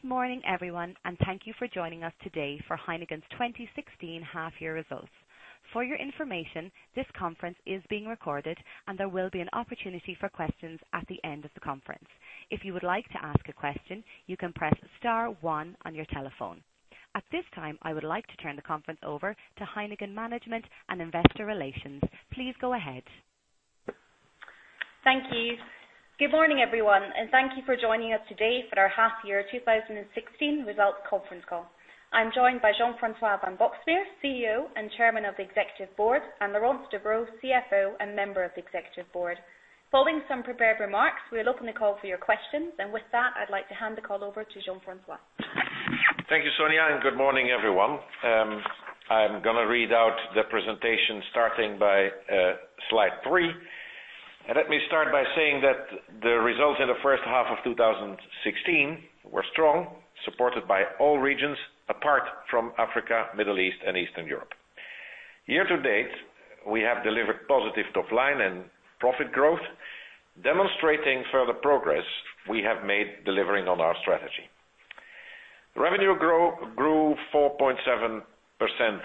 Good morning everyone, thank you for joining us today for Heineken's 2016 half-year results. For your information, this conference is being recorded, there will be an opportunity for questions at the end of the conference. If you would like to ask a question, you can press star one on your telephone. At this time, I would like to turn the conference over to Heineken management and investor relations. Please go ahead. Thank you. Good morning, everyone, thank you for joining us today for our half-year 2016 results conference call. I'm joined by Jean-François van Boxmeer, CEO and Chairman of the Executive Board, and Laurence Debroux, CFO and Member of the Executive Board. Following some prepared remarks, we're open to call for your questions. With that, I'd like to hand the call over to Jean-François. Thank you, Sonia, good morning everyone. I'm going to read out the presentation starting by slide three. Let me start by saying that the results in the first half of 2016 were strong, supported by all regions apart from Africa, Middle East, and Eastern Europe. Year to date, we have delivered positive top line and profit growth, demonstrating further progress we have made delivering on our strategy. Revenue grew 4.7%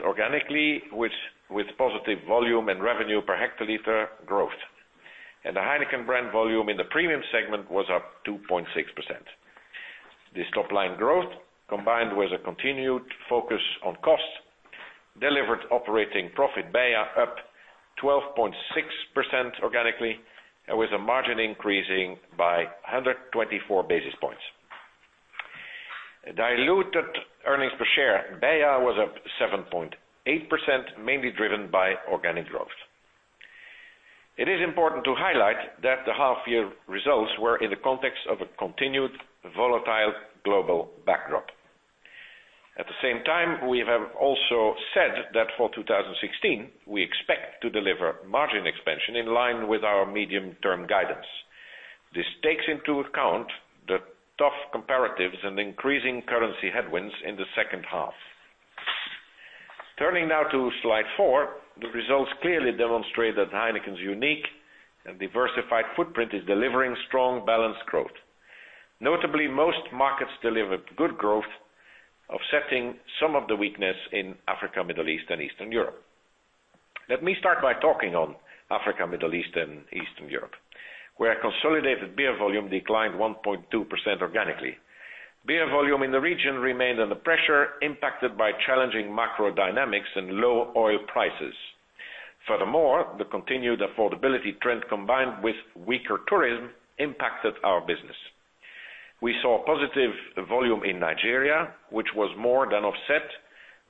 organically with positive volume and revenue per hectoliter growth. The Heineken brand volume in the premium segment was up 2.6%. This top-line growth, combined with a continued focus on cost, delivered operating profit BEIA up 12.6% organically and with a margin increasing by 124 basis points. Diluted earnings per share, BEIA was up 7.8%, mainly driven by organic growth. It is important to highlight that the half-year results were in the context of a continued volatile global backdrop. At the same time, we have also said that for 2016 we expect to deliver margin expansion in line with our medium-term guidance. This takes into account the tough comparatives and increasing currency headwinds in the second half. Turning now to slide four. The results clearly demonstrate that Heineken's unique and diversified footprint is delivering strong, balanced growth. Notably, most markets delivered good growth, offsetting some of the weakness in Africa, Middle East, and Eastern Europe. Let me start by talking on Africa, Middle East, and Eastern Europe, where consolidated beer volume declined 1.2% organically. Beer volume in the region remained under pressure, impacted by challenging macro dynamics and low oil prices. The continued affordability trend combined with weaker tourism impacted our business. We saw positive volume in Nigeria, which was more than offset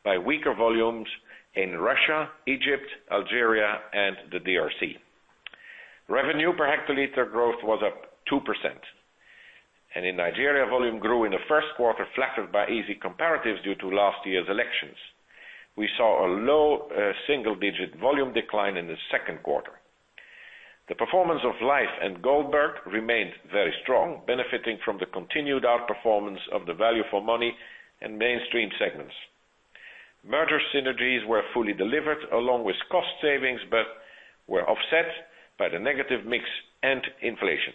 by weaker volumes in Russia, Egypt, Algeria, and the DRC. Revenue per hectoliter growth was up 2%. In Nigeria, volume grew in the first quarter, flattered by easy comparatives due to last year's elections. We saw a low single-digit volume decline in the second quarter. The performance of LIFE and Goldberg remained very strong, benefiting from the continued outperformance of the value for money and mainstream segments. Merger synergies were fully delivered along with cost savings, were offset by the negative mix and inflation.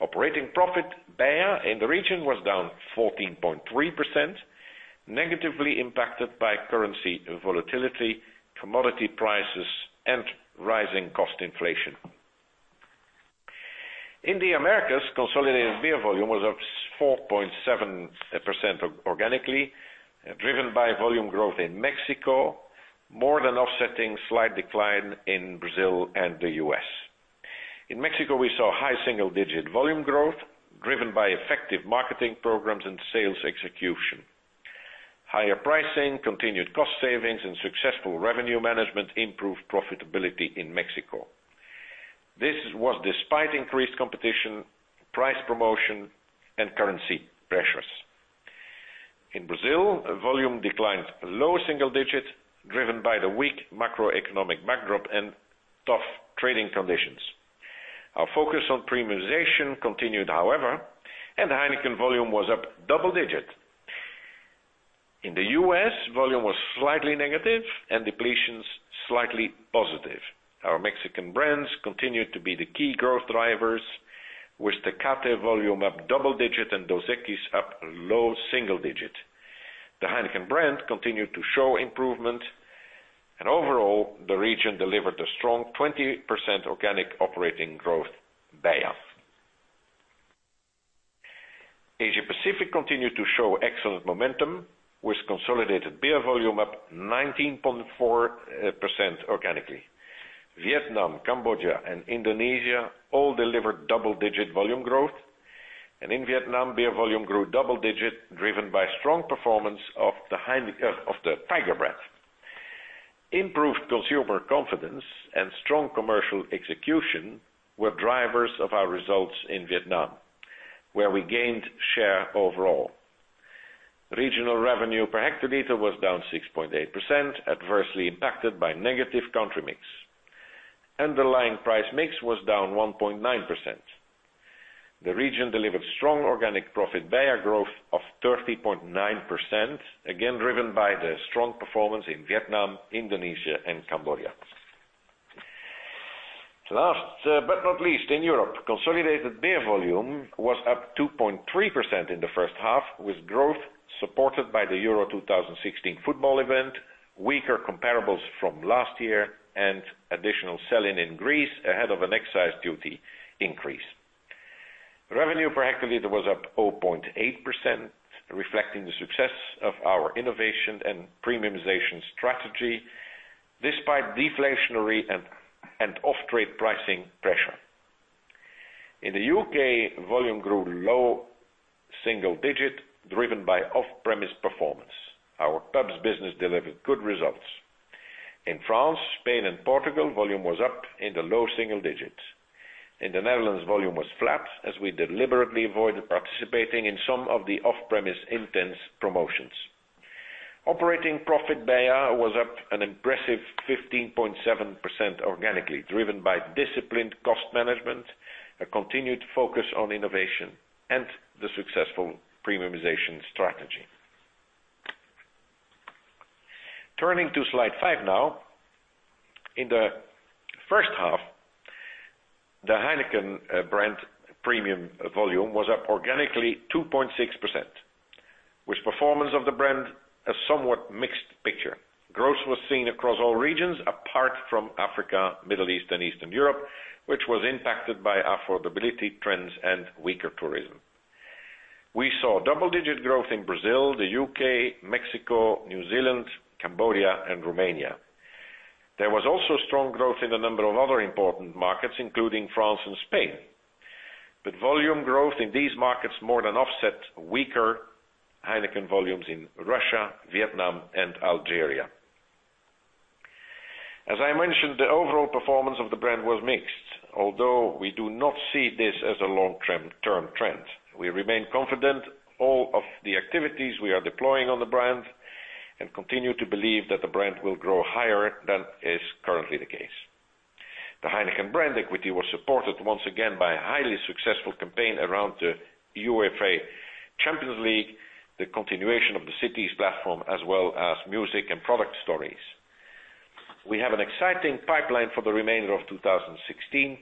Operating profit, BEIA in the region was down 14.3%, negatively impacted by currency volatility, commodity prices, and rising cost inflation. In the Americas, consolidated beer volume was up 4.7% organically, driven by volume growth in Mexico, more than offsetting slight decline in Brazil and the U.S. In Mexico, we saw high single-digit volume growth driven by effective marketing programs and sales execution. Higher pricing, continued cost savings, and successful revenue management improved profitability in Mexico. This was despite increased competition, price promotion, and currency pressures. In Brazil, volume declined low single digits driven by the weak macroeconomic backdrop and tough trading conditions. Our focus on premiumization continued however. Heineken volume was up double digits. In the U.S. volume was slightly negative and depletions slightly positive. Our Mexican brands continued to be the key growth drivers with Tecate volume up double digits and Dos Equis up low single digits. The Heineken brand continued to show improvement. Overall the region delivered a strong 20% organic operating growth BEIA. Asia Pacific continued to show excellent momentum with consolidated beer volume up 19.4% organically. Vietnam, Cambodia and Indonesia all delivered double-digit volume growth. In Vietnam, beer volume grew double digits, driven by strong performance of the Tiger brand. Improved consumer confidence and strong commercial execution were drivers of our results in Vietnam, where we gained share overall. Regional revenue per hectoliter was down 6.8%, adversely impacted by negative country mix. Underlying price mix was down 1.9%. The region delivered strong organic profit BEIA growth of 30.9%, again driven by the strong performance in Vietnam, Indonesia, and Cambodia. Last but not least, in Europe, consolidated beer volume was up 2.3% in the first half, with growth supported by the Euro 2016 football event, weaker comparables from last year, and additional selling in Greece ahead of an excise duty increase. Revenue per hectoliter was up 0.8%, reflecting the success of our innovation and premiumization strategy, despite deflationary and off-trade pricing pressure. In the U.K., volume grew low single digit driven by off-premise performance. Our pubs business delivered good results. In France, Spain, and Portugal, volume was up in the low single digits. In the Netherlands, volume was flat as we deliberately avoided participating in some of the off-premise intense promotions. Operating profit BEIA was up an impressive 15.7% organically, driven by disciplined cost management, a continued focus on innovation, the successful premiumization strategy. Turning to slide five now. In the first half, the Heineken brand premium volume was up organically 2.6%, with performance of the brand a somewhat mixed picture. Growth was seen across all regions apart from Africa, Middle East, and Eastern Europe, which was impacted by affordability trends and weaker tourism. We saw double-digit growth in Brazil, the U.K., Mexico, New Zealand, Cambodia, and Romania. There was also strong growth in a number of other important markets, including France and Spain. Volume growth in these markets more than offset weaker Heineken volumes in Russia, Vietnam, and Algeria. As I mentioned, the overall performance of the brand was mixed, although we do not see this as a long-term trend. We remain confident all of the activities we are deploying on the brand and continue to believe that the brand will grow higher than is currently the case. The Heineken brand equity was supported once again by a highly successful campaign around the UEFA Champions League, the continuation of the Cities platform, as well as music and product stories. We have an exciting pipeline for the remainder of 2016,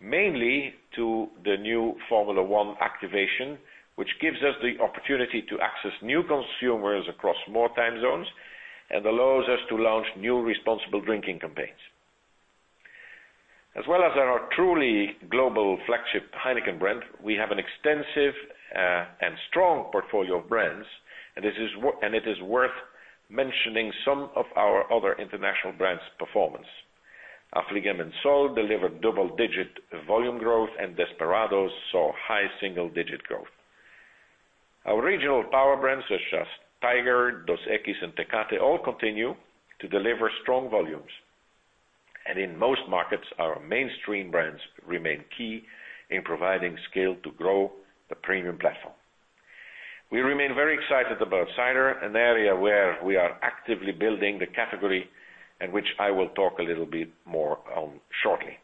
mainly to the new Formula One activation, which gives us the opportunity to access new consumers across more time zones and allows us to launch new responsible drinking campaigns. As well as our truly global flagship Heineken brand, we have an extensive and strong portfolio of brands, and it is worth mentioning some of our other international brands' performance. Affligem and Sol delivered double-digit volume growth, and Desperados saw high single-digit growth. Our regional power brands such as Tiger, Dos Equis, and Tecate all continue to deliver strong volumes. In most markets, our mainstream brands remain key in providing scale to grow the premium platform. We remain very excited about cider, an area where we are actively building the category and which I will talk a little bit more on shortly.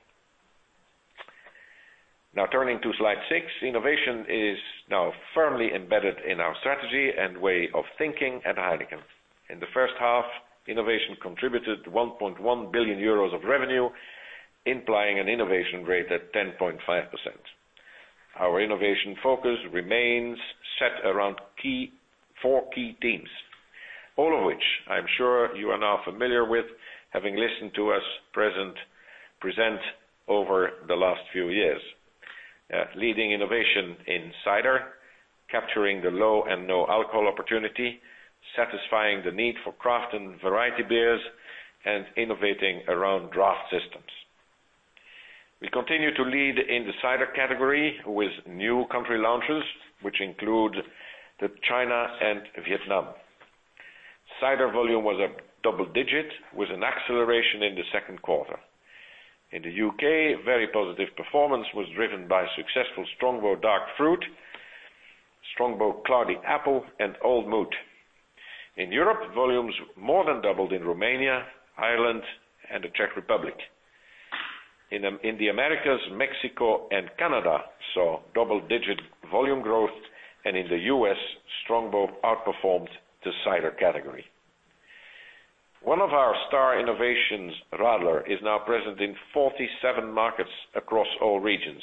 Now turning to slide six. Innovation is now firmly embedded in our strategy and way of thinking at Heineken. In the first half, innovation contributed 1.1 billion euros of revenue, implying an innovation rate at 10.5%. Our innovation focus remains set around four key themes, all of which I'm sure you are now familiar with, having listened to us present over the last few years. Leading innovation in cider, capturing the low and no alcohol opportunity, satisfying the need for craft and variety beers, and innovating around draft systems. We continue to lead in the cider category with new country launches, which include China and Vietnam. Cider volume was up double digits with an acceleration in the second quarter. In the U.K., very positive performance was driven by successful Strongbow Dark Fruit, Strongbow Cloudy Apple, and Old Mout. In Europe, volumes more than doubled in Romania, Ireland, and the Czech Republic. In the Americas, Mexico and Canada saw double-digit volume growth, in the U.S., Strongbow outperformed the cider category. One of our star innovations, Radler, is now present in 47 markets across all regions.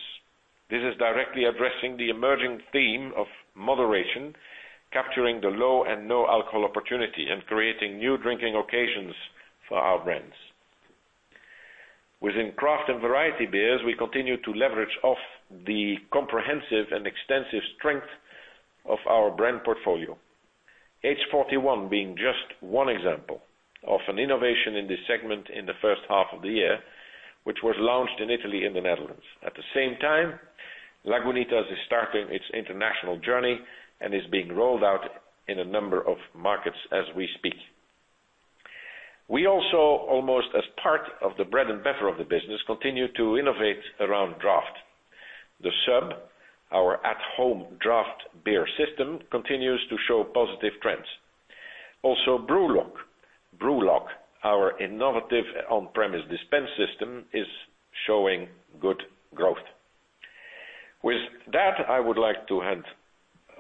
This is directly addressing the emerging theme of moderation, capturing the low and no alcohol opportunity and creating new drinking occasions for our brands. Within craft and variety beers, we continue to leverage off the comprehensive and extensive strength of our brand portfolio. H41 being just one example of an innovation in this segment in the first half of the year, which was launched in Italy and the Netherlands. At the same time, Lagunitas is starting its international journey and is being rolled out in a number of markets as we speak. We also, almost as part of the bread and butter of the business, continue to innovate around draft. THE SUB, our at-home draft beer system, continues to show positive trends. Brewlock, our innovative on-premise dispense system is showing good growth. With that, I would like to hand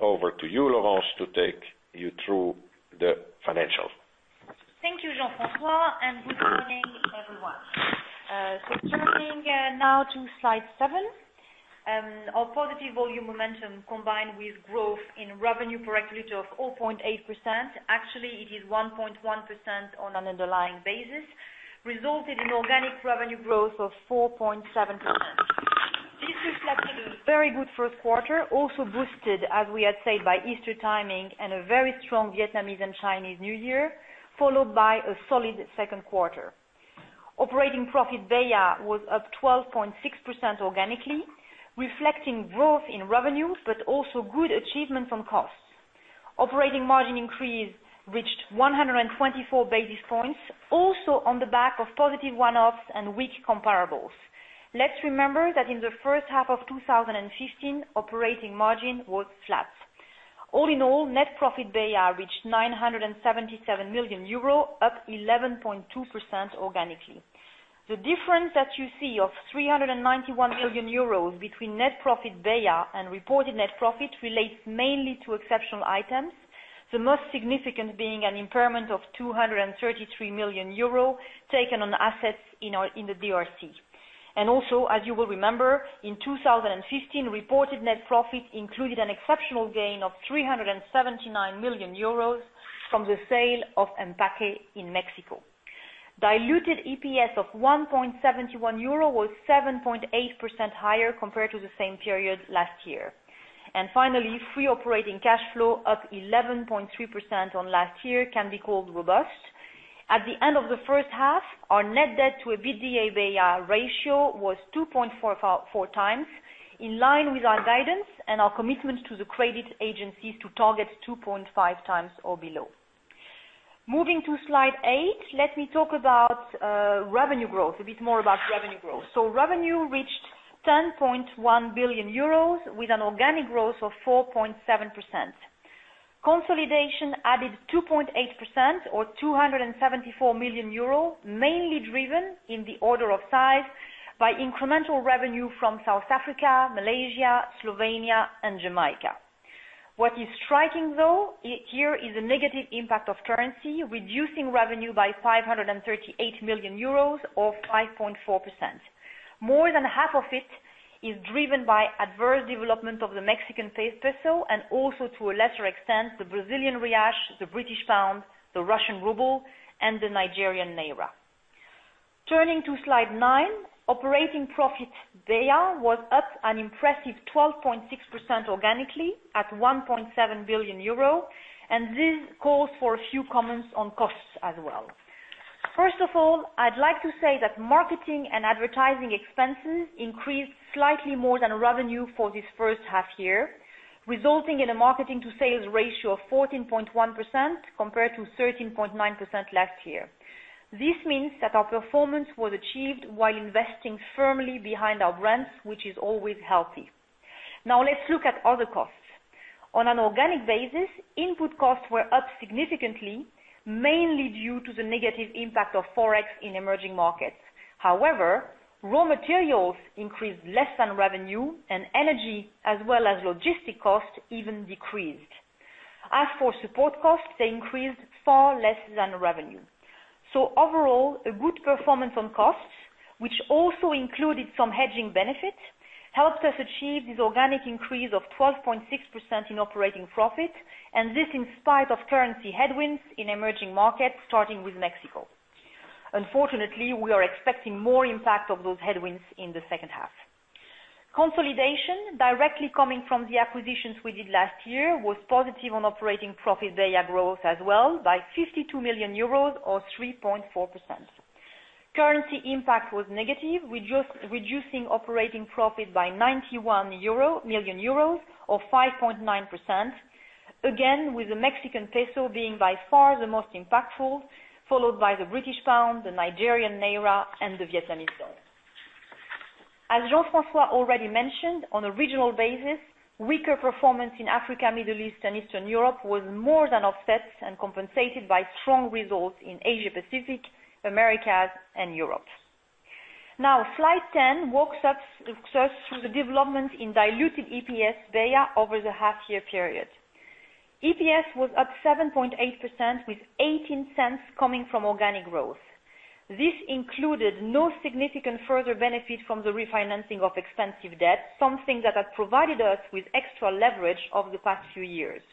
over to you, Laurence, to take you through the financials. Thank you, Jean-François, and good morning, everyone. Turning now to slide seven, our positive volume momentum combined with growth in revenue per hectolitre of 0.8%, actually it is 1.1% on an underlying basis, resulted in organic revenue growth of 4.7%. This reflected a very good first quarter, also boosted, as we had said, by Easter timing and a very strong Vietnamese and Chinese New Year, followed by a solid second quarter. Operating profit BEIA was up 12.6% organically, reflecting growth in revenues, but also good achievements on costs. Operating margin increase reached 124 basis points, also on the back of positive one-offs and weak comparables. Let's remember that in the first half of 2015, operating margin was flat. All in all, net profit BEIA reached 977 million euro, up 11.2% organically. The difference that you see of 391 million euros between net profit BEIA and reported net profit relates mainly to exceptional items, the most significant being an impairment of 233 million euro taken on assets in the DRC. Also, as you will remember, in 2015, reported net profit included an exceptional gain of 379 million euros from the sale of EMPAQUE in Mexico. Diluted EPS of 1.71 euro was 7.8% higher compared to the same period last year. Finally, free operating cash flow up 11.3% on last year can be called robust. At the end of the first half, our net debt to EBITDA BEIA ratio was 2.44 times, in line with our guidance and our commitment to the credit agencies to target 2.5 times or below. Moving to Slide 8, let me talk about revenue growth, a bit more about revenue growth. Revenue reached 10.1 billion euros with an organic growth of 4.7%. Consolidation added 2.8% or 274 million euros, mainly driven in the order of size by incremental revenue from South Africa, Malaysia, Slovenia and Jamaica. What is striking though here is a negative impact of currency, reducing revenue by 538 million euros or 5.4%. More than half of it is driven by adverse development of the Mexican peso, also to a lesser extent, the Brazilian real, the British pound, the Russian ruble, and the Nigerian naira. Turning to Slide nine, operating profit BEIA was up an impressive 12.6% organically at 1.7 billion euro, and this calls for a few comments on costs as well. First of all, I'd like to say that marketing and advertising expenses increased slightly more than revenue for this first half year, resulting in a marketing to sales ratio of 14.1% compared to 13.9% last year. This means that our performance was achieved while investing firmly behind our brands, which is always healthy. Now let's look at other costs. On an organic basis, input costs were up significantly, mainly due to the negative impact of Forex in emerging markets. However, raw materials increased less than revenue, and energy as well as logistic costs even decreased. Overall, a good performance on costs, which also included some hedging benefits, helped us achieve this organic increase of 12.6% in operating profit, and this in spite of currency headwinds in emerging markets, starting with Mexico. Unfortunately, we are expecting more impact of those headwinds in the second half. Consolidation directly coming from the acquisitions we did last year was positive on operating profit BEIA growth as well by 52 million euros or 3.4%. Currency impact was negative, reducing operating profit by 91 million euro or 5.9%, again, with the Mexican peso being by far the most impactful, followed by the British pound, the Nigerian naira, and the Vietnamese dong. As Jean-François already mentioned, on a regional basis, weaker performance in Africa, Middle East and Eastern Europe was more than offset and compensated by strong results in Asia Pacific, Americas and Europe. Slide 10 walks us through the development in diluted EPS BEIA over the half year period. EPS was up 7.8% with 0.18 coming from organic growth. This included no significant further benefit from the refinancing of expensive debt, something that had provided us with extra leverage over the past few years.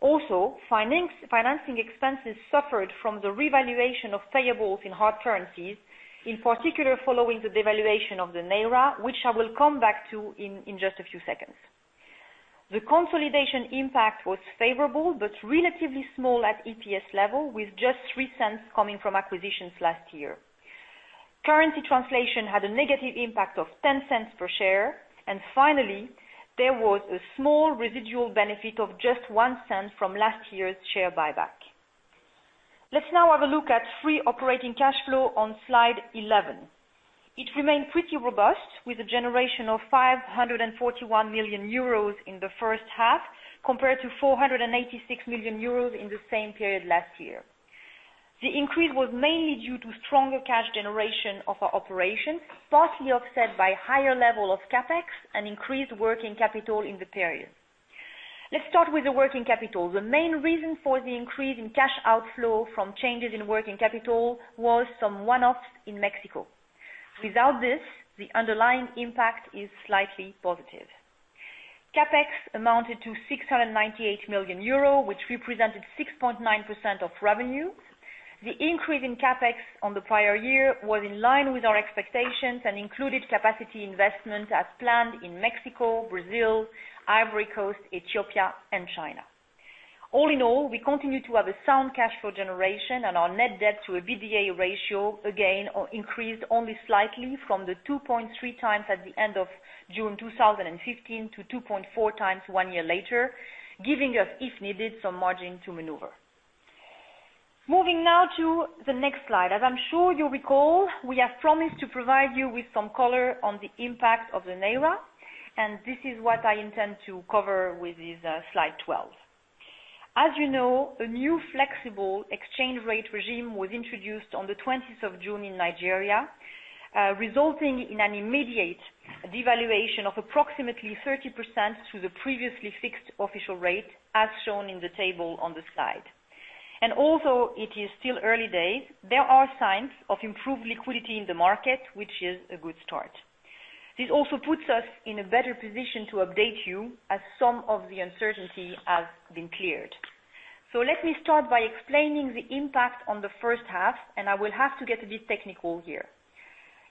Also, financing expenses suffered from the revaluation of payables in hard currencies, in particular following the devaluation of the naira, which I will come back to in just a few seconds. The consolidation impact was favorable but relatively small at EPS level with just 0.03 coming from acquisitions last year. Currency translation had a negative impact of 0.10 per share, and finally, there was a small residual benefit of just 0.01 from last year's share buyback. Let's now have a look at free operating cash flow on slide 11. It remained pretty robust, with a generation of 541 million euros in the first half, compared to 486 million euros in the same period last year. The increase was mainly due to stronger cash generation of our operations, partly offset by higher level of CapEx and increased working capital in the period. Let's start with the working capital. The main reason for the increase in cash outflow from changes in working capital was some one-offs in Mexico. Without this, the underlying impact is slightly positive. CapEx amounted to EUR 698 million, which represented 6.9% of revenue. The increase in CapEx on the prior year was in line with our expectations and included capacity investments as planned in Mexico, Brazil, Ivory Coast, Ethiopia, and China. All in all, we continue to have a sound cash flow generation, and our net debt to EBITDA ratio, again, increased only slightly from the 2.3 times at the end of June 2015 to 2.4 times one year later, giving us, if needed, some margin to maneuver. Moving now to the next slide. As I'm sure you recall, we have promised to provide you with some color on the impact of the naira, this is what I intend to cover with this slide 12. As you know, a new flexible exchange rate regime was introduced on the 20th of June in Nigeria, resulting in an immediate devaluation of approximately 30% to the previously fixed official rate as shown in the table on the slide. Although it is still early days, there are signs of improved liquidity in the market, which is a good start. This also puts us in a better position to update you as some of the uncertainty has been cleared. Let me start by explaining the impact on the first half, and I will have to get a bit technical here.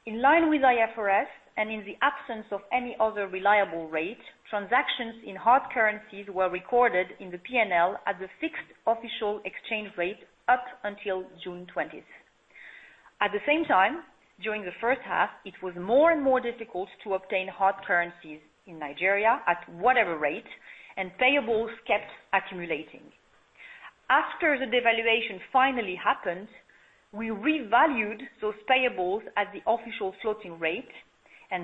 In line with IFRS, in the absence of any other reliable rate, transactions in hard currencies were recorded in the P&L at the fixed official exchange rate up until June 20th. At the same time, during the first half, it was more and more difficult to obtain hard currencies in Nigeria at whatever rate, and payables kept accumulating. After the devaluation finally happened, we revalued those payables at the official floating rate,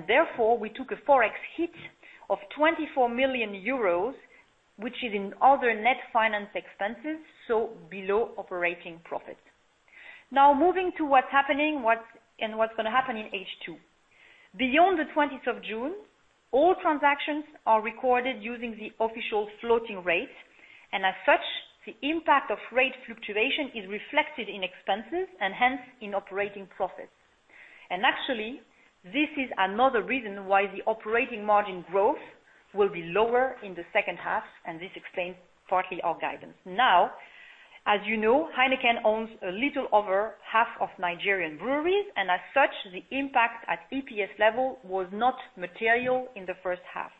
therefore we took a Forex hit of 24 million euros, which is in other net finance expenses, below operating profit. Moving to what's happening and what's going to happen in H2. Beyond the 20th of June, all transactions are recorded using the official floating rate, as such, the impact of rate fluctuation is reflected in expenses and hence in operating profits. Actually, this is another reason why the operating margin growth will be lower in the second half, this explains partly our guidance. As you know, Heineken owns a little over half of Nigerian Breweries, as such, the impact at EPS level was not material in the first half.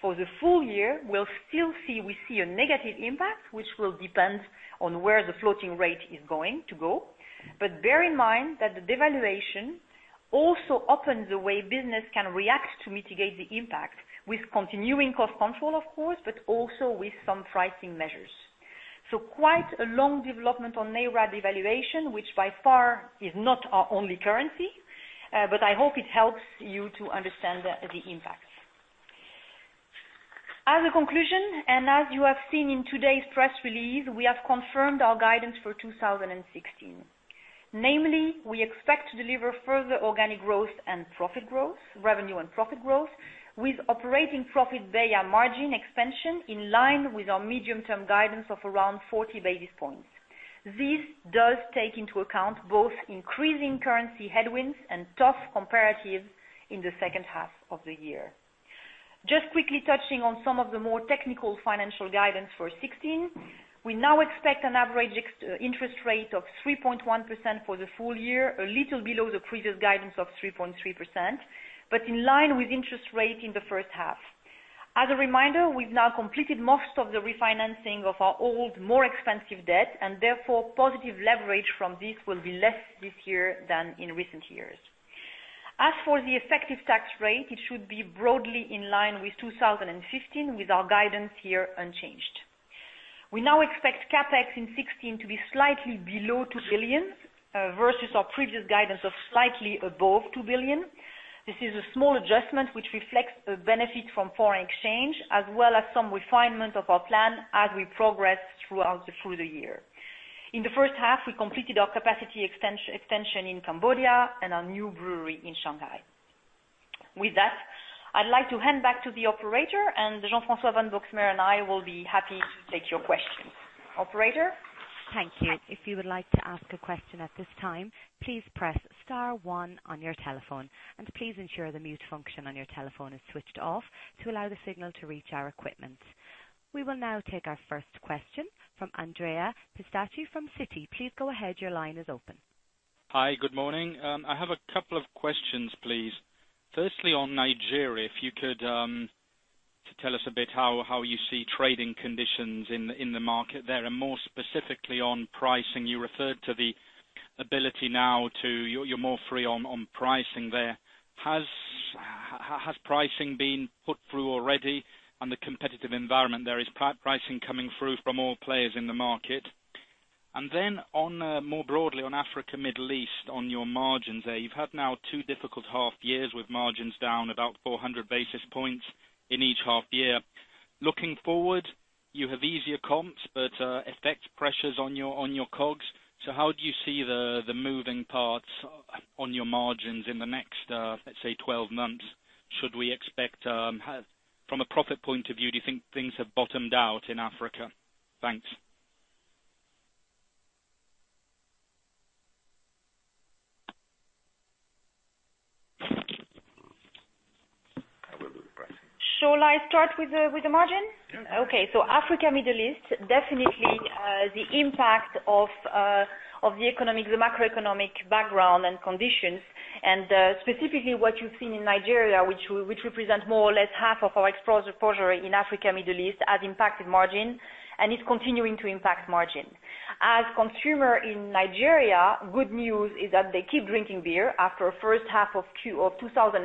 For the full year, we'll still see a negative impact, which will depend on where the floating rate is going to go. Bear in mind that the devaluation also opens the way business can react to mitigate the impact with continuing cost control, of course, but also with some pricing measures. Quite a long development on naira devaluation, which by far is not our only currency, I hope it helps you to understand the impact. As a conclusion, as you have seen in today's press release, we have confirmed our guidance for 2016. Namely, we expect to deliver further organic growth and profit growth, revenue and profit growth, with operating profit BEIA margin expansion in line with our medium-term guidance of around 40 basis points. This does take into account both increasing currency headwinds and tough comparatives in the second half of the year. Just quickly touching on some of the more technical financial guidance for 2016, we now expect an [average interest rate] of 3.1% for the full year, a little below the previous guidance of 3.3%, in line with interest rate in the first half. As a reminder, we've now completed most of the refinancing of our old, more expensive debt, therefore positive leverage from this will be less this year than in recent years. As for the effective tax rate, it should be broadly in line with 2015, with our guidance here unchanged. We now expect CapEx in 2016 to be slightly below 2 billion, versus our previous guidance of slightly above 2 billion. This is a small adjustment, which reflects a benefit from foreign exchange as well as some refinement of our plan as we progress throughout the year. In the first half, we completed our capacity extension in Cambodia and our new brewery in Shanghai. With that, I'd like to hand back to the operator, and Jean-François van Boxmeer and I will be happy to take your questions. Operator? Thank you. If you would like to ask a question at this time, please press star one on your telephone, and please ensure the mute function on your telephone is switched off to allow the signal to reach our equipment. We will now take our first question from Andrea Pistacchi from Citi. Please go ahead, your line is open. Hi. Good morning. I have a couple of questions, please. Firstly, on Nigeria, if you could tell us a bit how you see trading conditions in the market there, and more specifically on pricing. You're more free on pricing there. Has- Has pricing been put through already on the competitive environment there? Is pricing coming through from all players in the market? Then more broadly on Africa, Middle East, on your margins there. You've had now two difficult half years with margins down about 400 basis points in each half year. Looking forward, you have easier comps but FX pressures on your COGS. How do you see the moving parts on your margins in the next let's say 12 months? Should we expect, from a profit point of view, do you think things have bottomed out in Africa? Thanks. I will do the pricing. Shall I start with the margin? Yeah. Africa, Middle East, definitely the impact of the economy, the macroeconomic background and conditions, and specifically what you've seen in Nigeria, which represent more or less half of our exposure in Africa, Middle East, has impacted margin and is continuing to impact margin. As consumer in Nigeria, good news is that they keep drinking beer after first half of 2015,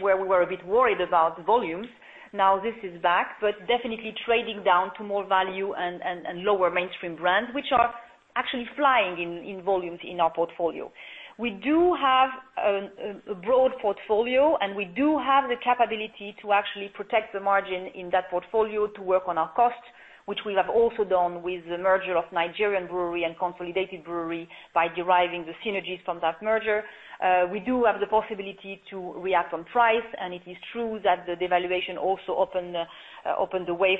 where we were a bit worried about volumes. Now this is back, but definitely trading down to more value and lower mainstream brands, which are actually flying in volumes in our portfolio. We do have a broad portfolio, and we do have the capability to actually protect the margin in that portfolio to work on our costs, which we have also done with the merger of Nigerian Breweries and Consolidated Breweries by deriving the synergies from that merger. We do have the possibility to react on price, and it is true that the devaluation also opened the way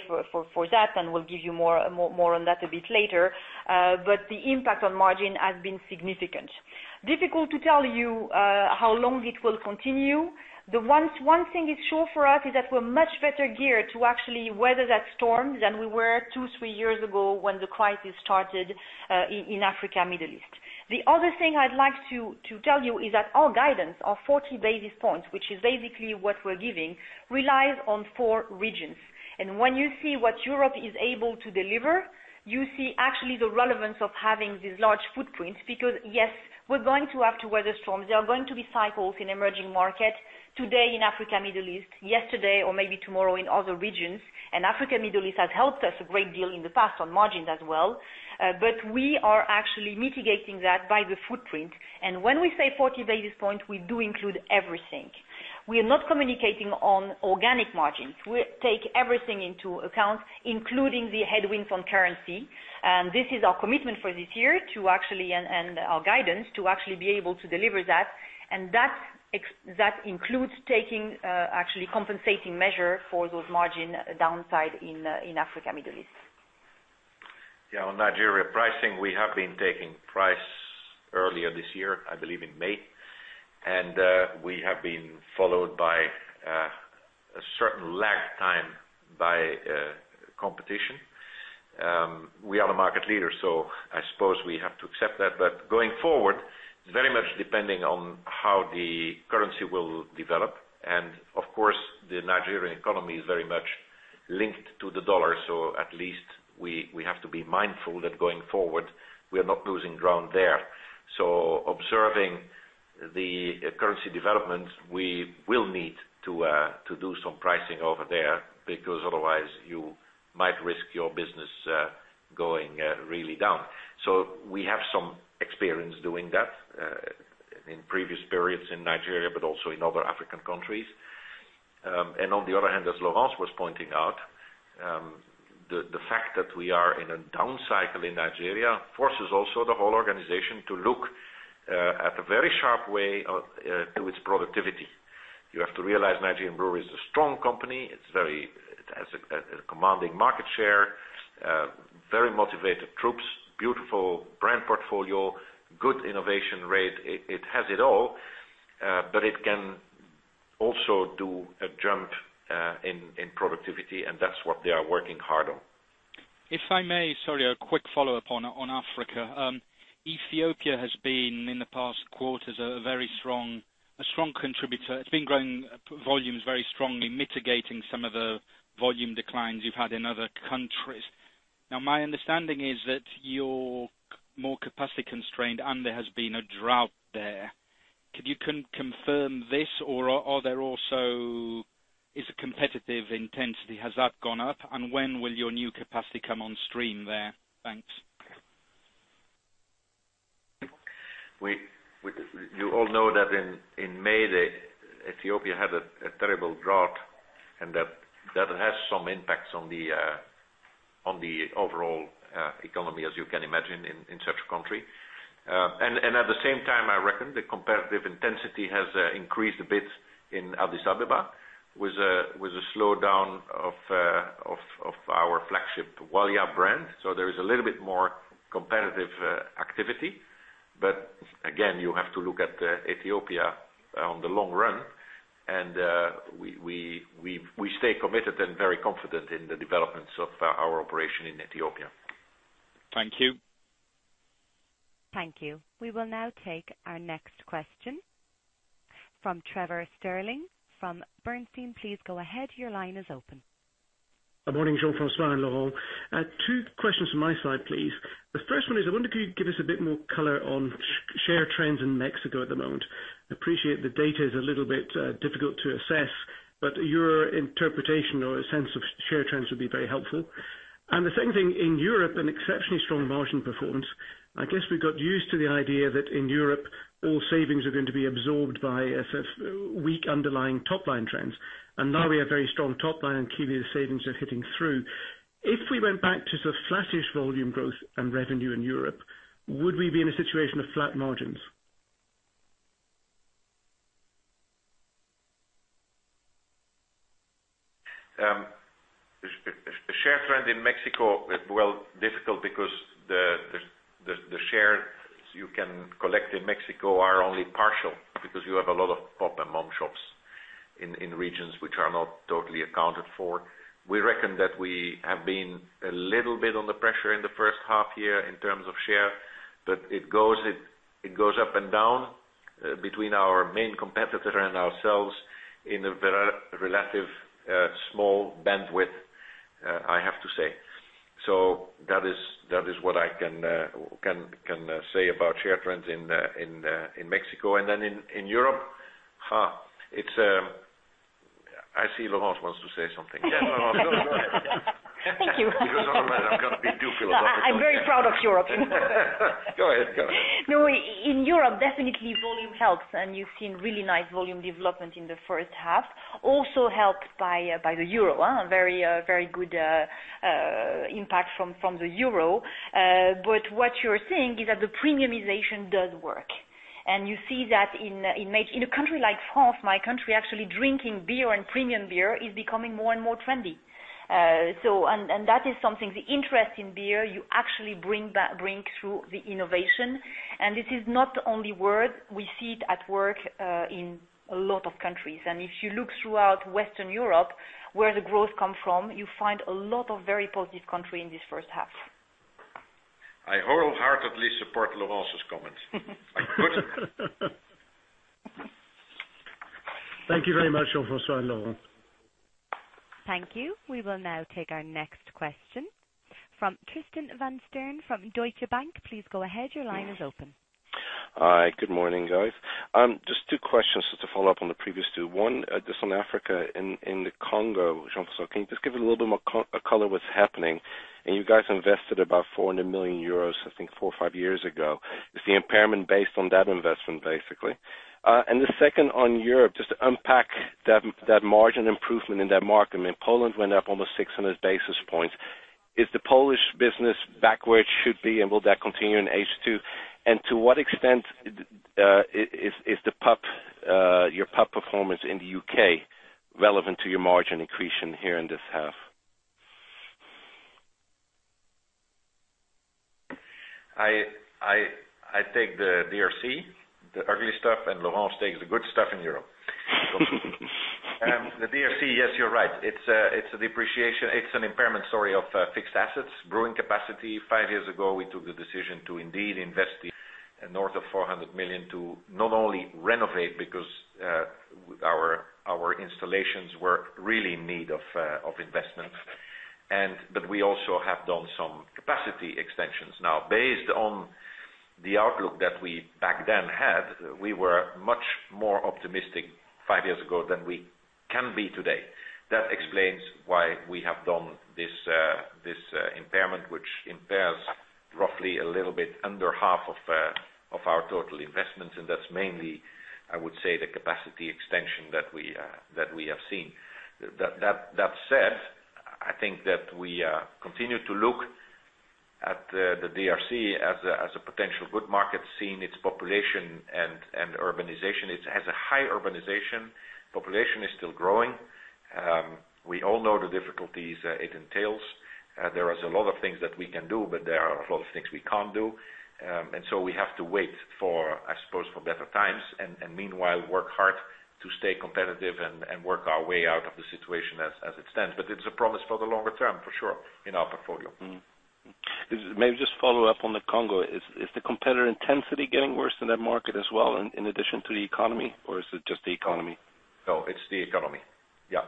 for that, and we'll give you more on that a bit later. The impact on margin has been significant. Difficult to tell you how long it will continue. The one thing is sure for us is that we're much better geared to actually weather that storm than we were two, three years ago when the crisis started in Africa, Middle East. The other thing I'd like to tell you is that our guidance of 40 basis points, which is basically what we're giving, relies on four regions. When you see what Europe is able to deliver, you see actually the relevance of having these large footprints because, yes, we're going to have to weather storms. There are going to be cycles in emerging markets today in Africa, Middle East, yesterday or maybe tomorrow in other regions. Africa, Middle East has helped us a great deal in the past on margins as well. We are actually mitigating that by the footprint. When we say 40 basis points, we do include everything. We are not communicating on organic margins. We take everything into account, including the headwinds on currency. This is our commitment for this year and our guidance to actually be able to deliver that. That includes taking actually compensating measure for those margin downside in Africa, Middle East. Yeah, on Nigeria pricing, we have been taking price earlier this year, I believe in May. We have been followed by a certain lag time by competition. We are a market leader, so I suppose we have to accept that. Going forward, it's very much depending on how the currency will develop. Of course, the Nigerian economy is very much linked to the dollar, at least we have to be mindful that going forward, we are not losing ground there. Observing the currency developments, we will need to do some pricing over there because otherwise you might risk your business going really down. We have some experience doing that in previous periods in Nigeria, but also in other African countries. On the other hand, as Laurence was pointing out, the fact that we are in a down cycle in Nigeria forces also the whole organization to look at a very sharp way to its productivity. You have to realize Nigerian Breweries is a strong company. It has a commanding market share, very motivated troops, beautiful brand portfolio, good innovation rate. It has it all, it can also do a jump in productivity, that's what they are working hard on. If I may, sorry, a quick follow-up on Africa. Ethiopia has been, in the past quarters, a very strong contributor. It's been growing volumes very strongly, mitigating some of the volume declines you've had in other countries. My understanding is that you're more capacity constrained, there has been a drought there. Could you confirm this, or is the competitive intensity, has that gone up? When will your new capacity come on stream there? Thanks. You all know that in May, Ethiopia had a terrible drought, and that has some impacts on the overall economy, as you can imagine, in such a country. At the same time, I reckon the competitive intensity has increased a bit in Addis Ababa with a slowdown of our flagship Walia brand. There is a little bit more competitive activity. Again, you have to look at Ethiopia on the long run, and we stay committed and very confident in the developments of our operation in Ethiopia. Thank you. Thank you. We will now take our next question from Trevor Stirling from Bernstein. Please go ahead. Your line is open. Good morning, Jean-François and Laurence. Two questions from my side, please. The first one is, I wonder if you could give us a bit more color on share trends in Mexico at the moment. I appreciate the data is a little bit difficult to assess, but your interpretation or a sense of share trends would be very helpful. The second thing, in Europe, an exceptionally strong margin performance. I guess we've got used to the idea that in Europe, all savings are going to be absorbed by weak underlying top-line trends. Now we have very strong top line and [inaudible] savings are hitting through. If we went back to the flattish volume growth and revenue in Europe, would we be in a situation of flat margins? Share trend in Mexico, well, difficult because the shares you can collect in Mexico are only partial because you have a lot of pop and mom shops in regions which are not totally accounted for. We reckon that we have been a little bit on the pressure in the first half-year in terms of share, but it goes up and down between our main competitor and ourselves in a relatively small bandwidth, I have to say. That is what I can say about share trends in Mexico. In Europe, I see Laurence wants to say something. Thank you. Because otherwise I'm going to be duplicitous. I'm very proud of Europe. Go ahead. No, in Europe, definitely volume helps. You've seen really nice volume development in the first half. Also helped by the euro. Very good impact from the euro. What you're seeing is that the premiumization does work. You see that in a country like France, my country, actually drinking beer and premium beer is becoming more and more trendy. That is something, the interest in beer, you actually bring through the innovation. This is not only word. We see it at work in a lot of countries. If you look throughout Western Europe, where the growth come from, you find a lot of very positive country in this first half. I wholeheartedly support Laurence's comments. Thank you very much, Jean-François and Laurence. Thank you. We will now take our next question from Tristan van Strien from Deutsche Bank. Please go ahead. Your line is open. Hi, good morning, guys. Just two questions just to follow up on the previous two. One, just on Africa, in the Congo, Jean-François, can you just give us a little bit more color what's happening? You guys invested about 400 million euros, I think, four or five years ago. Is the impairment based on that investment, basically? The second on Europe, just to unpack that margin improvement in that market. I mean, Poland went up almost 600 basis points. Is the Polish business back where it should be, and will that continue in H2? To what extent is your pub performance in the U.K. relevant to your margin accretion here in this half? I take the DRC, the ugly stuff, Laurence takes the good stuff in Europe. The DRC, yes, you're right. It's an impairment story of fixed assets, brewing capacity. Five years ago, we took the decision to indeed invest north of 400 million to not only renovate because our installations were really in need of investment. We also have done some capacity extensions. Based on the outlook that we back then had, we were much more optimistic five years ago than we can be today. That explains why we have done this impairment, which impairs roughly a little bit under half of our total investments, and that's mainly, I would say, the capacity extension that we have seen. We continue to look at the DRC as a potential good market, seeing its population and urbanization. It has a high urbanization. Population is still growing. We all know the difficulties it entails. There is a lot of things that we can do, but there are a lot of things we can't do. We have to wait for, I suppose, for better times, and meanwhile, work hard to stay competitive and work our way out of the situation as it stands. It's a promise for the longer term, for sure, in our portfolio. Maybe just follow up on the Congo. Is the competitor intensity getting worse in that market as well in addition to the economy, or is it just the economy? No, it's the economy. Yeah,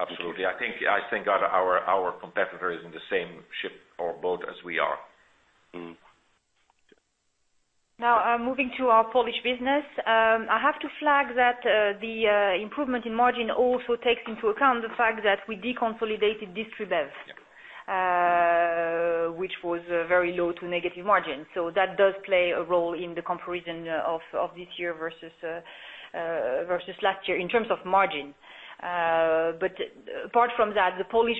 absolutely. I think our competitor is in the same ship or boat as we are. Now, moving to our Polish business. I have to flag that the improvement in margin also takes into account the fact that we deconsolidated Distribev, which was a very low to negative margin. That does play a role in the comparison of this year versus last year in terms of margin. Apart from that, the Polish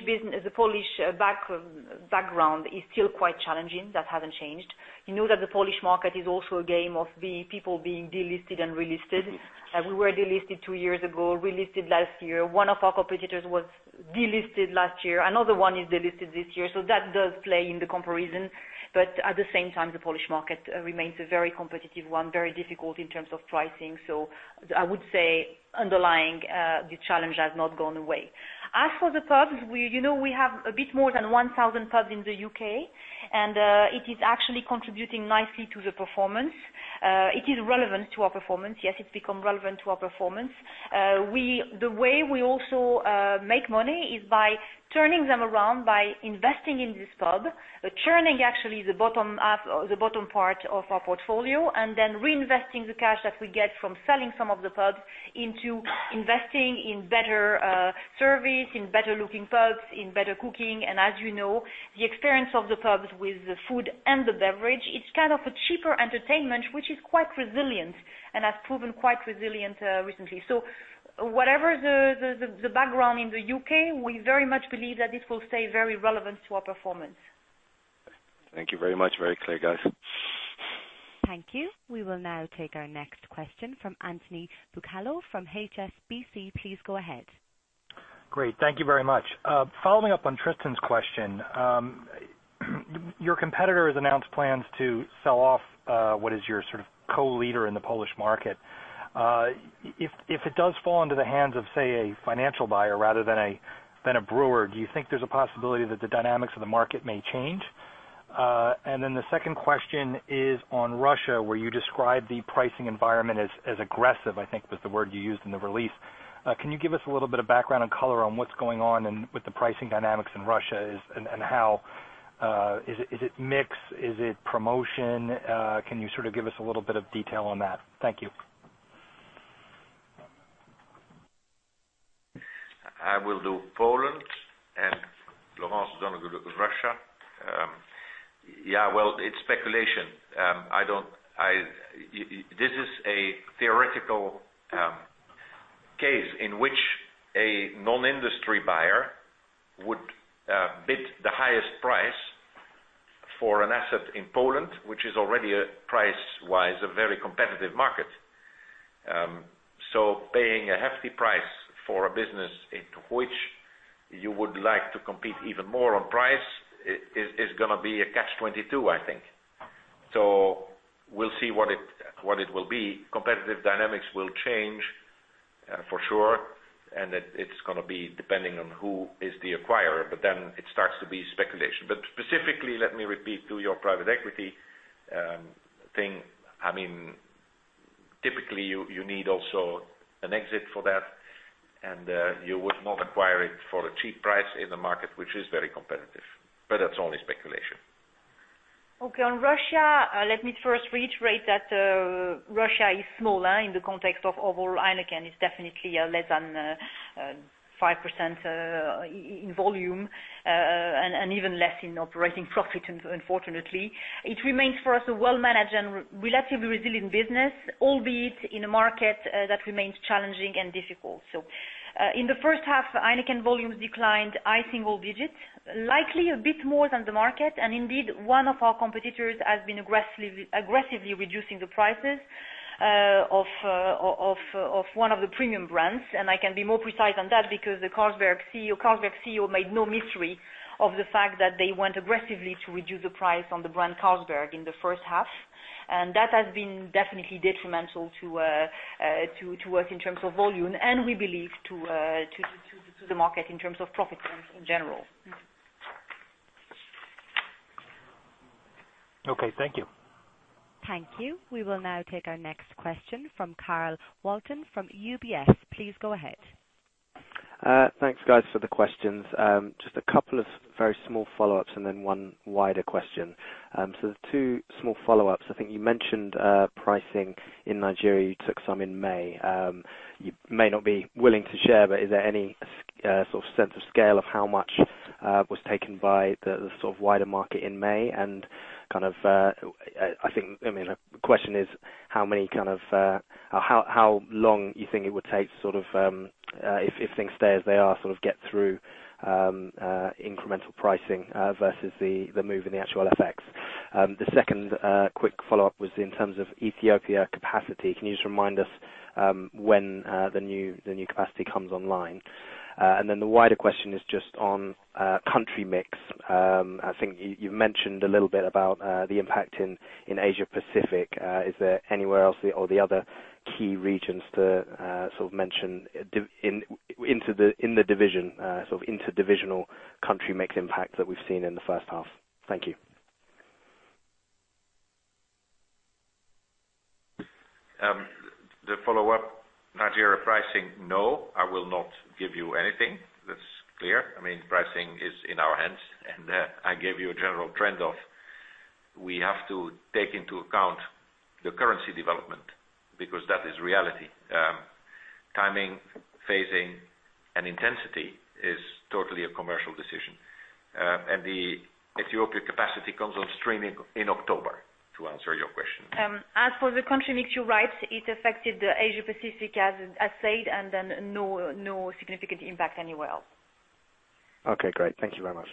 background is still quite challenging. That hasn't changed. You know that the Polish market is also a game of people being delisted and relisted. We were delisted two years ago, relisted last year. One of our competitors was delisted last year. Another one is delisted this year. That does play in the comparison. At the same time, the Polish market remains a very competitive one, very difficult in terms of pricing. I would say underlying, the challenge has not gone away. As for the pubs, you know we have a bit more than 1,000 pubs in the U.K., it is actually contributing nicely to the performance. It is relevant to our performance. Yes, it's become relevant to our performance. The way we also make money is by turning them around, by investing in this pub, churning actually the bottom part of our portfolio, reinvesting the cash that we get from selling some of the pubs into investing in better service, in better-looking pubs, in better cooking. As you know, the experience of the pubs with the food and the beverage, it's kind of a cheaper entertainment, which is quite resilient and has proven quite resilient recently. Whatever the background in the U.K., we very much believe that this will stay very relevant to our performance. Thank you very much. Very clear, guys. Thank you. We will now take our next question from Anthony Bucalo from HSBC. Please go ahead. Great. Thank you very much. Following up on Tristan's question. Your competitor has announced plans to sell off what is your sort of co-leader in the Polish market. If it does fall into the hands of, say, a financial buyer rather than a brewer, do you think there's a possibility that the dynamics of the market may change? The second question is on Russia, where you describe the pricing environment as aggressive, I think was the word you used in the release. Can you give us a little bit of background and color on what's going on and with the pricing dynamics in Russia is, and how? Is it mix? Is it promotion? Can you give us a little bit of detail on that? Thank you. I will do Poland, and Laurence is going to do Russia. Well, it's speculation. This is a theoretical case in which a non-industry buyer would bid the highest price for an asset in Poland, which is already, price-wise, a very competitive market. Paying a hefty price for a business into which you would like to compete even more on price is going to be a catch 22, I think. We'll see what it will be. Competitive dynamics will change for sure, and it's going to be depending on who is the acquirer, it starts to be speculation. Specifically, let me repeat to your private equity thing. Typically, you need also an exit for that, and you would not acquire it for a cheap price in the market, which is very competitive. That's only speculation. On Russia, let me first reiterate that Russia is small in the context of overall Heineken. It is definitely less than 5% in volume, and even less in operating profit, unfortunately. It remains for us a well-managed and relatively resilient business, albeit in a market that remains challenging and difficult. In the first half, Heineken volumes declined high single digits, likely a bit more than the market. Indeed, one of our competitors has been aggressively reducing the prices of one of the premium brands. I can be more precise on that because the Carlsberg CEO made no mystery of the fact that they went aggressively to reduce the price on the brand Carlsberg in the first half. That has been definitely detrimental to us in terms of volume, and we believe to the market in terms of profit in general. Okay, thank you. Thank you. We will now take our next question from Carl Walton from UBS. Please go ahead. Thanks, guys, for the questions. Just a couple of very small follow-ups and then one wider question. The two small follow-ups, I think you mentioned pricing in Nigeria. You took some in May. You may not be willing to share, but is there any sort of sense of scale of how much was taken by the wider market in May? The question is, how long you think it would take, if things stay as they are, get through incremental pricing versus the move in the actual FX? The second quick follow-up was in terms of Ethiopia capacity. Can you just remind us when the new capacity comes online? The wider question is just on country mix. I think you've mentioned a little bit about the impact in Asia-Pacific. Is there anywhere else or the other key regions to mention in the division, sort of interdivisional country mix impact that we've seen in the first half? Thank you. The follow-up Nigeria pricing, I will not give you anything. That's clear. Pricing is in our hands, and I gave you a general trend of we have to take into account the currency development because that is reality. Timing, phasing, and intensity is totally a commercial decision. The Ethiopia capacity comes on stream in October, to answer your question. As for the country mix, you're right. It affected the Asia-Pacific as said, no significant impact anywhere else. Okay, great. Thank you very much.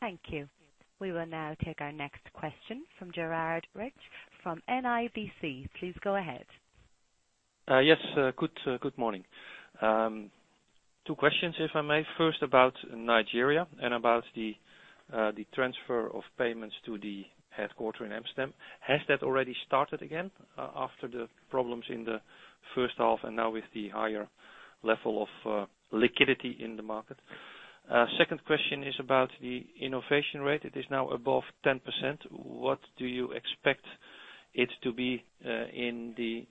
Thank you. We will now take our next question from Gerard Rijk from NIBC. Please go ahead. Yes. Good morning. Two questions, if I may. First, about Nigeria and about the transfer of payments to the headquarter in Amsterdam. Has that already started again after the problems in the first half and now with the higher level of liquidity in the market? Second question is about the innovation rate. It is now above 10%. What do you expect it to be in the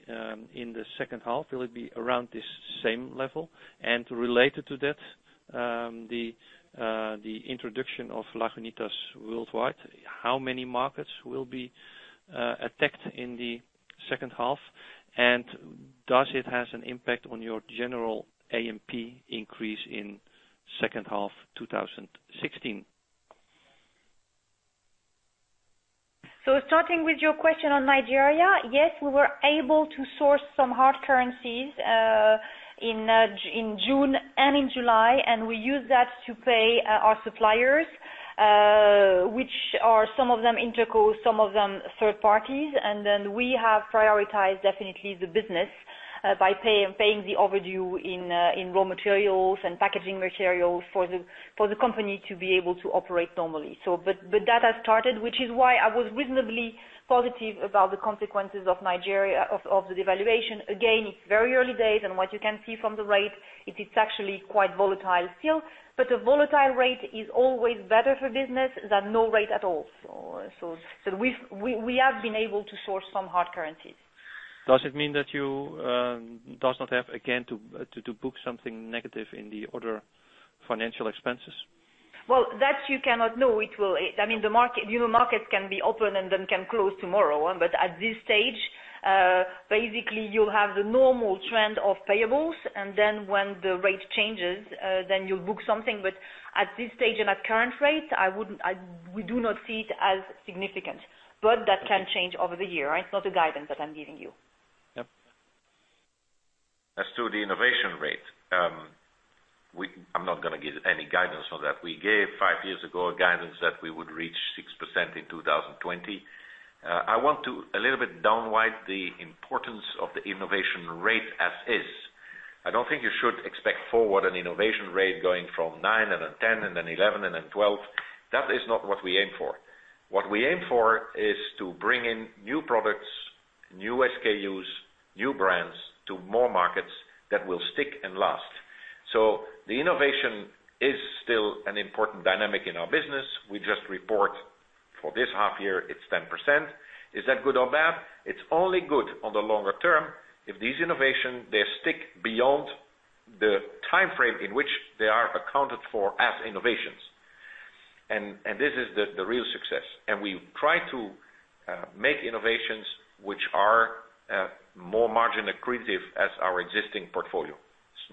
second half? Will it be around this same level? Related to that, the introduction of Lagunitas worldwide, how many markets will be attacked in the second half? Does it have an impact on your general AMP increase in second half 2016? Starting with your question on Nigeria, yes, we were able to source some hard currencies in June and in July. We used that to pay our suppliers, which are some of them interco, some of them third parties. We have prioritized definitely the business by paying the overdue in raw materials and packaging materials for the company to be able to operate normally. That has started, which is why I was reasonably positive about the consequences of Nigeria of the devaluation. Again, it is very early days. What you can see from the rate, it is actually quite volatile still. A volatile rate is always better for business than no rate at all. We have been able to source some hard currencies. Does it mean that you does not have again to book something negative in the other financial expenses? That you cannot know. The market can be open and then can close tomorrow. At this stage, basically you'll have the normal trend of payables, and then when the rate changes, then you'll book something. At this stage and at current rate, we do not see it as significant. That can change over the year. It's not a guidance that I'm giving you. Yep. As to the innovation rate, I'm not going to give any guidance on that. We gave, five years ago, a guidance that we would reach 6% in 2020. I want to a little bit downplay the importance of the innovation rate as is. I don't think you should expect forward an innovation rate going from 9% and then 10% and then 11% and then 12%. That is not what we aim for. What we aim for is to bring in new products, new SKUs, new brands to more markets that will stick and last. The innovation is still an important dynamic in our business. We just report for this half year, it's 10%. Is that good or bad? It's only good on the longer term if these innovation, they stick beyond the time frame in which they are accounted for as innovations. This is the real success. We try to make innovations which are more margin accretive as our existing portfolio.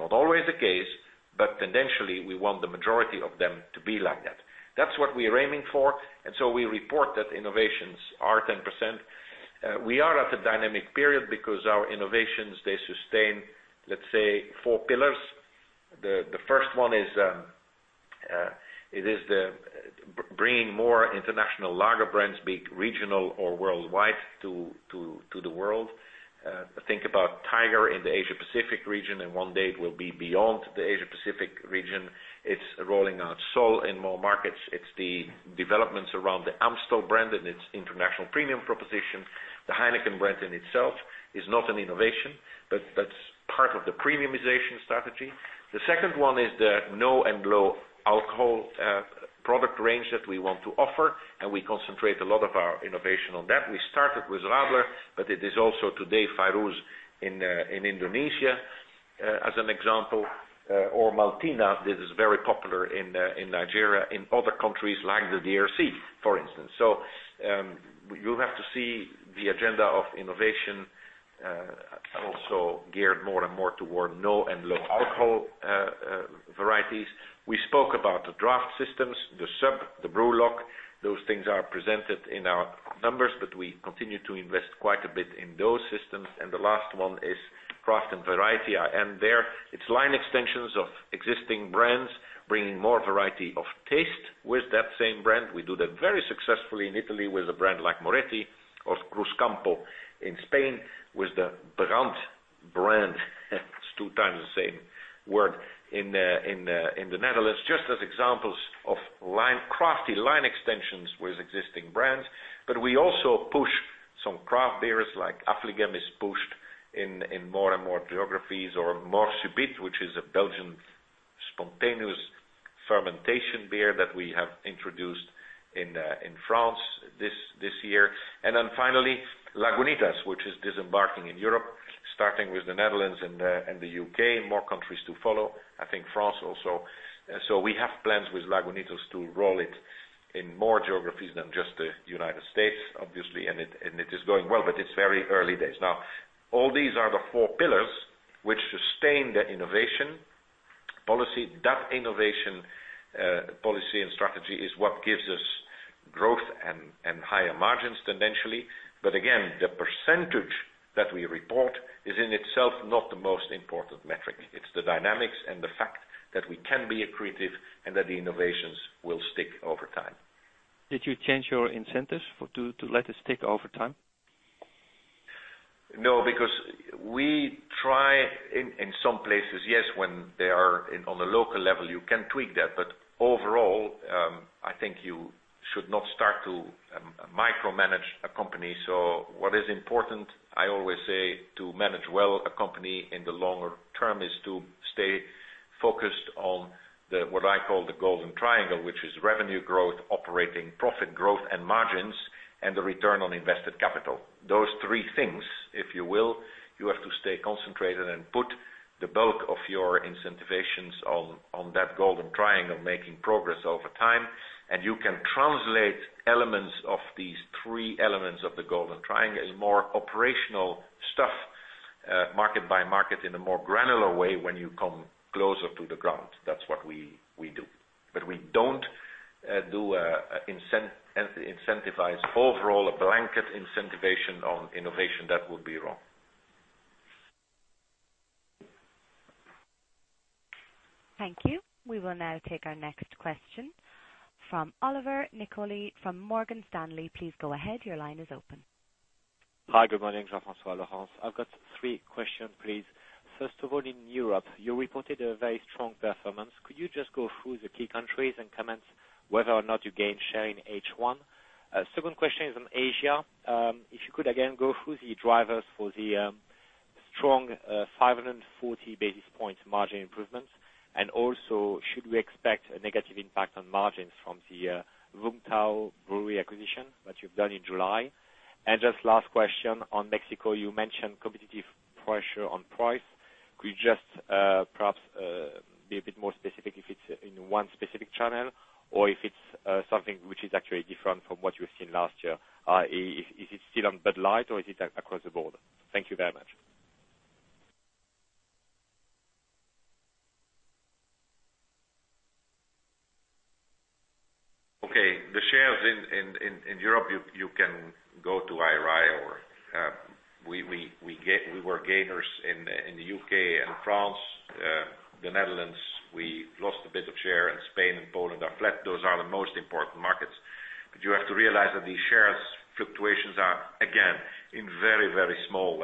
It's not always the case, but tendentially, we want the majority of them to be like that. That's what we are aiming for, and so we report that innovations are 10%. We are at a dynamic period because our innovations, they sustain, let's say, four pillars. The first one is bringing more international lager brands, be it regional or worldwide, to the world. Think about Tiger in the Asia Pacific region, and one day it will be beyond the Asia Pacific region. It's rolling out Sol in more markets. It's the developments around the Amstel brand and its international premium proposition. The Heineken brand in itself is not an innovation, but that's part of the premiumization strategy. The second one is the no and low alcohol product range that we want to offer, and we concentrate a lot of our innovation on that. We started with Radler, but it is also today Fayrouz in Indonesia as an example or Maltina that is very popular in Nigeria, in other countries like the DRC, for instance. You have to see the agenda of innovation also geared more and more toward no and low alcohol varieties. We spoke about the draft systems, THE SUB, the Brewlock. Those things are presented in our numbers, but we continue to invest quite a bit in those systems. The last one is craft and variety. I end there. It's line extensions of existing brands bringing more variety of taste with that same brand. We do that very successfully in Italy with a brand like Moretti or Cruzcampo in Spain with the Brand brand. It's two times the same word, in the Netherlands, just as examples of crafty line extensions with existing brands. We also push some craft beers like Affligem is pushed in more and more geographies or Mort Subite, which is a Belgian spontaneous fermentation beer that we have introduced in France this year. Finally, Lagunitas, which is disembarking in Europe, starting with the Netherlands and the U.K. More countries to follow, I think France also. We have plans with Lagunitas to roll it in more geographies than just the United States, obviously, and it is going well, but it's very early days. All these are the four pillars which sustain the innovation policy. That innovation policy and strategy is what gives us growth and higher margins tendentially. Again, the percentage that we report is in itself not the most important metric. It's the dynamics and the fact that we can be accretive and that the innovations will stick over time. Did you change your incentives to let it stick over time? No, because we try in some places, yes, when they are on a local level, you can tweak that. Overall, I think you should not start to micromanage a company. What is important, I always say, to manage well a company in the longer term is to stay focused on what I call the golden triangle, which is revenue growth, operating profit growth and margins, and the return on invested capital. Those three things, if you will, you have to stay concentrated and put the bulk of your incentivations on that golden triangle of making progress over time, and you can translate elements of these three elements of the golden triangle as more operational stuff market by market, in a more granular way when you come closer to the ground. That's what we do. We don't do a incentivized overall, a blanket incentivation on innovation. That would be wrong. Thank you. We will now take our next question from Olivier Nicolai, from Morgan Stanley. Please go ahead. Your line is open. Hi, good morning. Jean-François, Laurence. I've got three question, please. First of all, in Europe, you reported a very strong performance. Could you just go through the key countries and comments whether or not you gain share in H1? Second question is on Asia. If you could again go through the drivers for the strong 540 basis points margin improvements, and also should we expect a negative impact on margins from the Vung Tau Brewery acquisition that you've done in July? And just last question on Mexico. You mentioned competitive pressure on price. Could you just, perhaps, be a bit more specific if it's in one specific channel or if it's something which is actually different from what you've seen last year? Is it still on Bud Light or is it across the board? Thank you very much. Okay. The shares in Europe, you can go to IRI, we were gainers in the U.K. and France. The Netherlands, we lost a bit of share, and Spain and Poland are flat. Those are the most important markets. You have to realize that these shares fluctuations are, again, in very small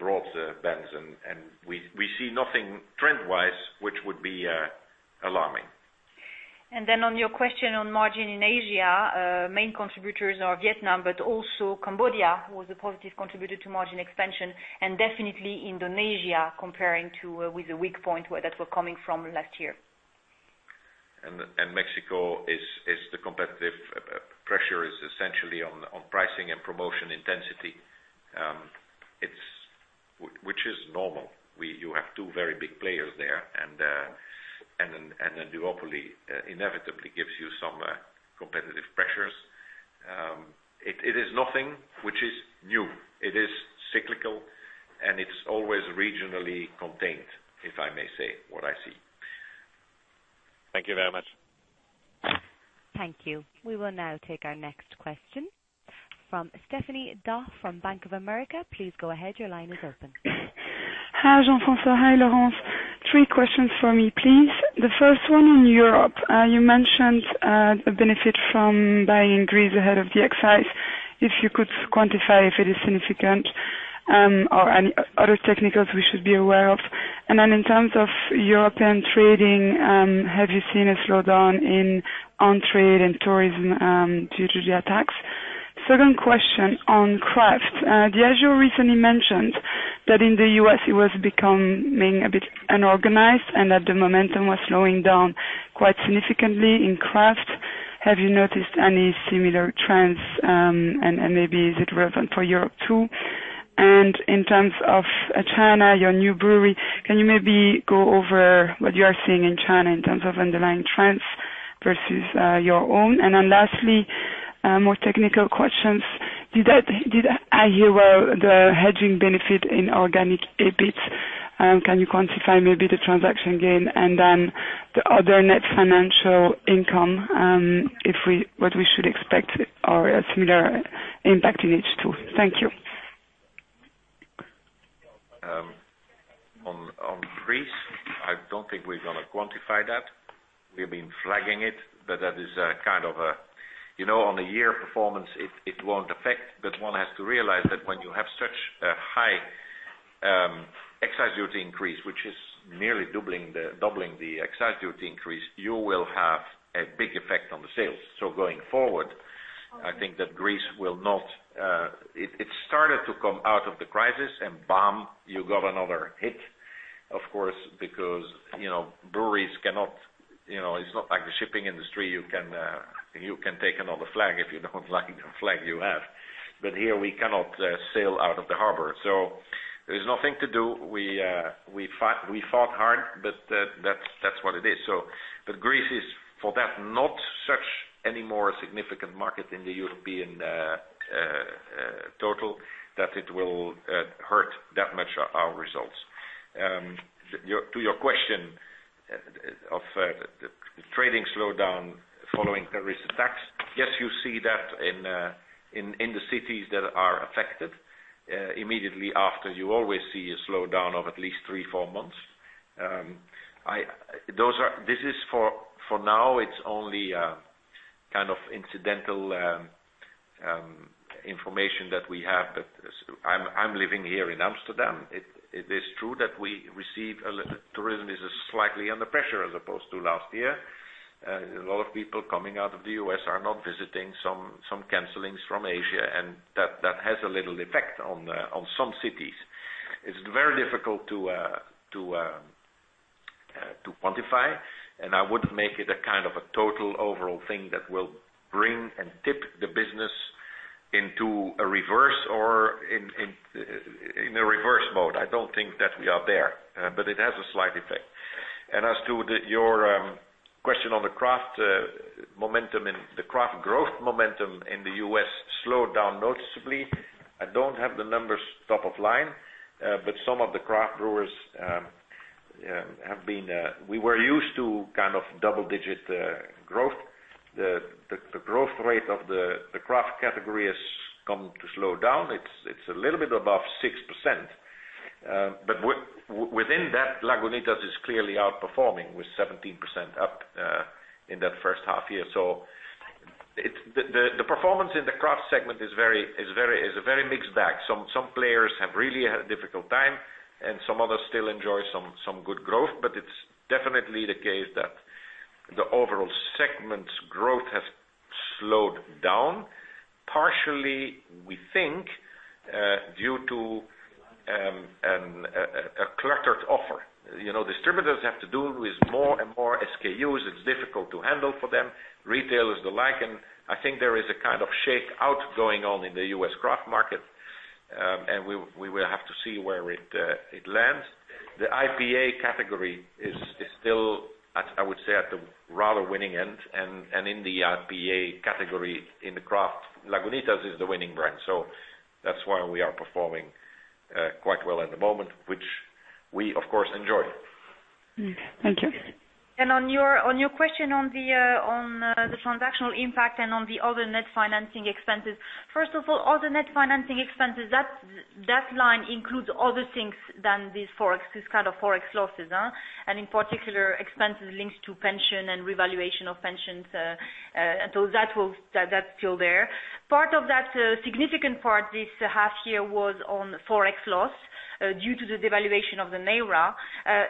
broad bands and we see nothing trend-wise, which would be alarming. Then on your question on margin in Asia. Main contributors are Vietnam, but also Cambodia was a positive contributor to margin expansion, and definitely Indonesia comparing to with the weak point where that were coming from last year. Mexico, the competitive pressure is essentially on pricing and promotion intensity, which is normal. You have two very big players there and a duopoly inevitably gives you some competitive pressures. It is nothing which is new. It is cyclical and it's always regionally contained, if I may say what I see. Thank you very much. Thank you. We will now take our next question from Stephanie D'Ath from Bank of America. Please go ahead. Your line is open. Hi, Jean-François. Hi, Laurence. Three questions for me, please. The first one in Europe. You mentioned a benefit from buying in Greece ahead of the excise. If you could quantify if it is significant, or any other technicals we should be aware of. In terms of European trading, have you seen a slowdown in on trade and tourism due to the attacks? Second question on craft. Diageo recently mentioned that in the U.S. it was becoming a bit unorganized and that the momentum was slowing down quite significantly in craft. Have you noticed any similar trends, maybe is it relevant for Europe, too? In terms of China, your new brewery, can you maybe go over what you are seeing in China in terms of underlying trends versus your own? Lastly, more technical questions. Did I hear well the hedging benefit in organic EBIT? Can you quantify maybe the transaction gain and then the other net financial income, what we should expect or a similar impact in H2? Thank you. On Greece, I don't think we're going to quantify that. We've been flagging it, that is kind of on a year performance, it won't affect. One has to realize that when you have such a high excise duty increase, which is nearly doubling the excise duty increase, you will have a big effect on the sales. Going forward, I think that Greece will not It started to come out of the crisis and bam, you got another hit. It's not like the shipping industry, you can take another flag if you don't like the flag you have. Here we cannot sail out of the harbor, so there is nothing to do. We fought hard, but that's what it is. Greece is for that, not such any more significant market in the European total that it will hurt that much our results. To your question of trading slowdown following the recent attacks. Yes, you see that in the cities that are affected. Immediately after, you always see a slowdown of at least three, four months. This is for now it's only kind of incidental information that we have. I'm living here in Amsterdam. It is true that we received a little tourism is slightly under pressure as opposed to last year. A lot of people coming out of the U.S. are not visiting, some cancelings from Asia, that has a little effect on some cities. It's very difficult to quantify, I wouldn't make it a total overall thing that will bring and tip the business into a reverse or in a reverse mode. I don't think that we are there, but it has a slight effect. As to your question on the craft momentum and the craft growth momentum in the U.S. slowed down noticeably. I don't have the numbers top of line, but some of the craft brewers. We were used to double-digit growth. The growth rate of the craft category has come to slow down. It's a little bit above 6%, but within that, Lagunitas is clearly outperforming with 17% up in that first half year. The performance in the craft segment is a very mixed bag. Some players have really had a difficult time, and some others still enjoy some good growth, but it's definitely the case that the overall segment's growth has slowed down, partially, we think, due to a cluttered offer. Distributors have to do with more and more SKUs. It's difficult to handle for them, retailers alike, and I think there is a kind of shakeout going on in the U.S. craft market. We will have to see where it lands. The IPA category is still, I would say, at the rather winning end, and in the IPA category in the craft, Lagunitas is the winning brand. That's why we are performing quite well at the moment, which we, of course, enjoy. Thank you. On your question on the transactional impact and on the other net financing expenses. First of all, the net financing expenses, that line includes other things than these kind of Forex losses. In particular, expenses linked to pension and revaluation of pensions. That's still there. Part of that significant part this half year was on Forex loss due to the devaluation of the naira.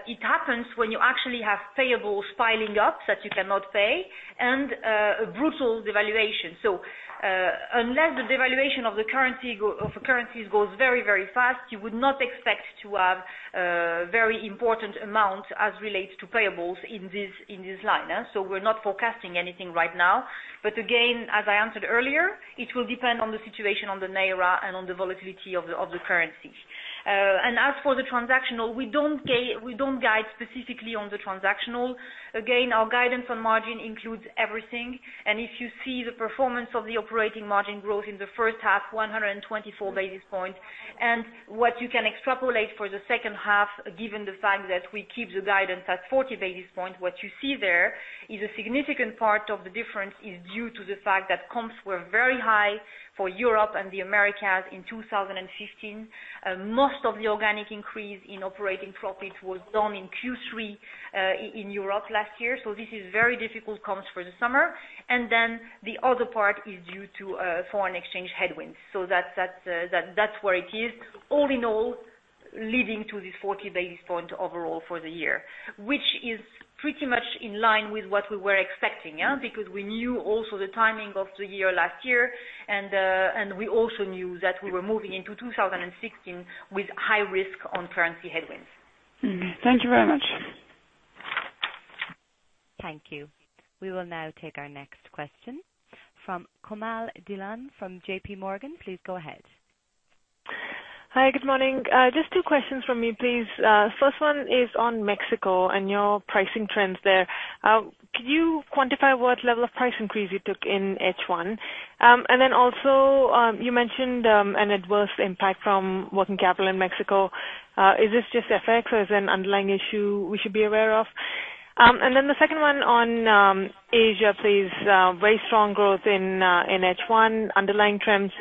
It happens when you actually have payables piling up that you cannot pay, and a brutal devaluation. Unless the devaluation of currencies goes very, very fast, you would not expect to have a very important amount as relates to payables in this line. We're not forecasting anything right now. Again, as I answered earlier, it will depend on the situation on the naira and on the volatility of the currency. As for the transactional, we don't guide specifically on the transactional. Again, our guidance on margin includes everything. If you see the performance of the operating margin growth in the first half, 124 basis points. What you can extrapolate for the second half, given the fact that we keep the guidance at 40 basis points, what you see there is a significant part of the difference is due to the fact that comps were very high for Europe and the Americas in 2015. Most of the organic increase in operating profit was done in Q3 in Europe last year. This is very difficult comps for the summer. Then the other part is due to foreign exchange headwinds. That's where it is. All in all, leading to this 40 basis points overall for the year, which is pretty much in line with what we were expecting. We knew also the timing of the year last year, and we also knew that we were moving into 2016 with high risk on currency headwinds. Thank you very much. Thank you. We will now take our next question from Komal Dhillon from J.P. Morgan. Please go ahead. Hi, good morning. Just two questions from me, please. First one is on Mexico and your pricing trends there. Could you quantify what level of price increase you took in H1? You mentioned an adverse impact from working capital in Mexico. Is this just FX or is there an underlying issue we should be aware of? The second one on Asia, please. Very strong growth in H1. Underlying trends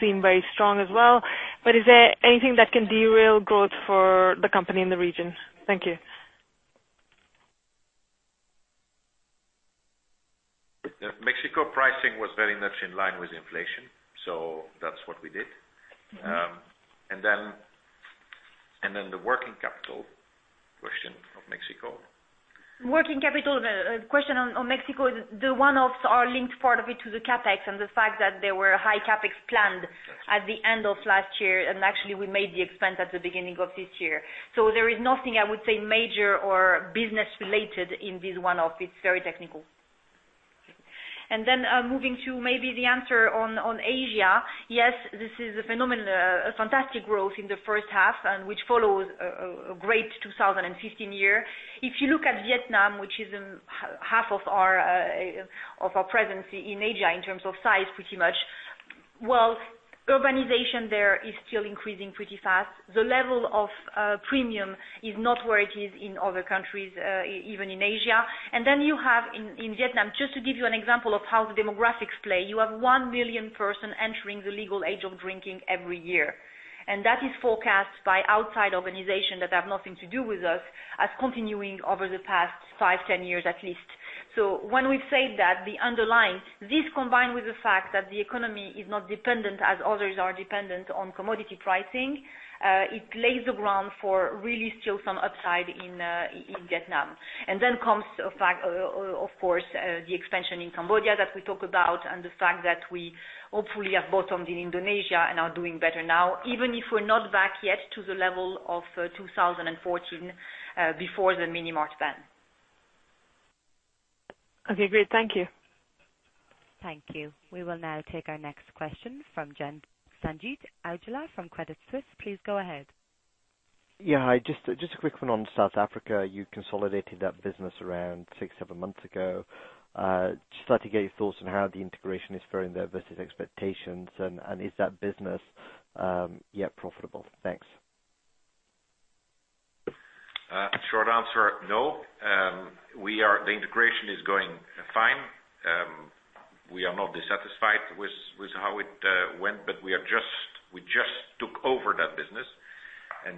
seem very strong as well. Is there anything that can derail growth for the company in the region? Thank you. Mexico pricing was very much in line with inflation. That's what we did. The working capital question of Mexico. Working capital question on Mexico, the one-offs are linked part of it to the CapEx and the fact that there were high CapEx planned at the end of last year. We made the expense at the beginning of this year. There is nothing, I would say, major or business related in this one-off. It's very technical. Moving to maybe the answer on Asia. Yes, this is a fantastic growth in the first half and which follows a great 2015 year. If you look at Vietnam, which is half of our presence in Asia in terms of size, pretty much. Well, urbanization there is still increasing pretty fast. The level of premium is not where it is in other countries, even in Asia. You have in Vietnam, just to give you an example of how the demographics play. You have 1 million person entering the legal age of drinking every year. That is forecast by outside organization that have nothing to do with us as continuing over the past five, 10 years, at least. When we say that the underlying, this combined with the fact that the economy is not dependent as others are dependent on commodity pricing, it lays the ground for really still some upside in Vietnam. Then comes, of course, the expansion in Cambodia that we talk about and the fact that we hopefully have bottomed in Indonesia and are doing better now, even if we're not back yet to the level of 2014, before the mini-mart ban. Okay, great. Thank you. Thank you. We will now take our next question from Sanjeet Aujla from Credit Suisse. Please go ahead. Yeah. Just a quick one on South Africa. You consolidated that business around six, seven months ago. Just like to get your thoughts on how the integration is faring there versus expectations, and is that business yet profitable? Thanks. Short answer, no. The integration is going fine. We are not dissatisfied with how it went, but we just took over that business.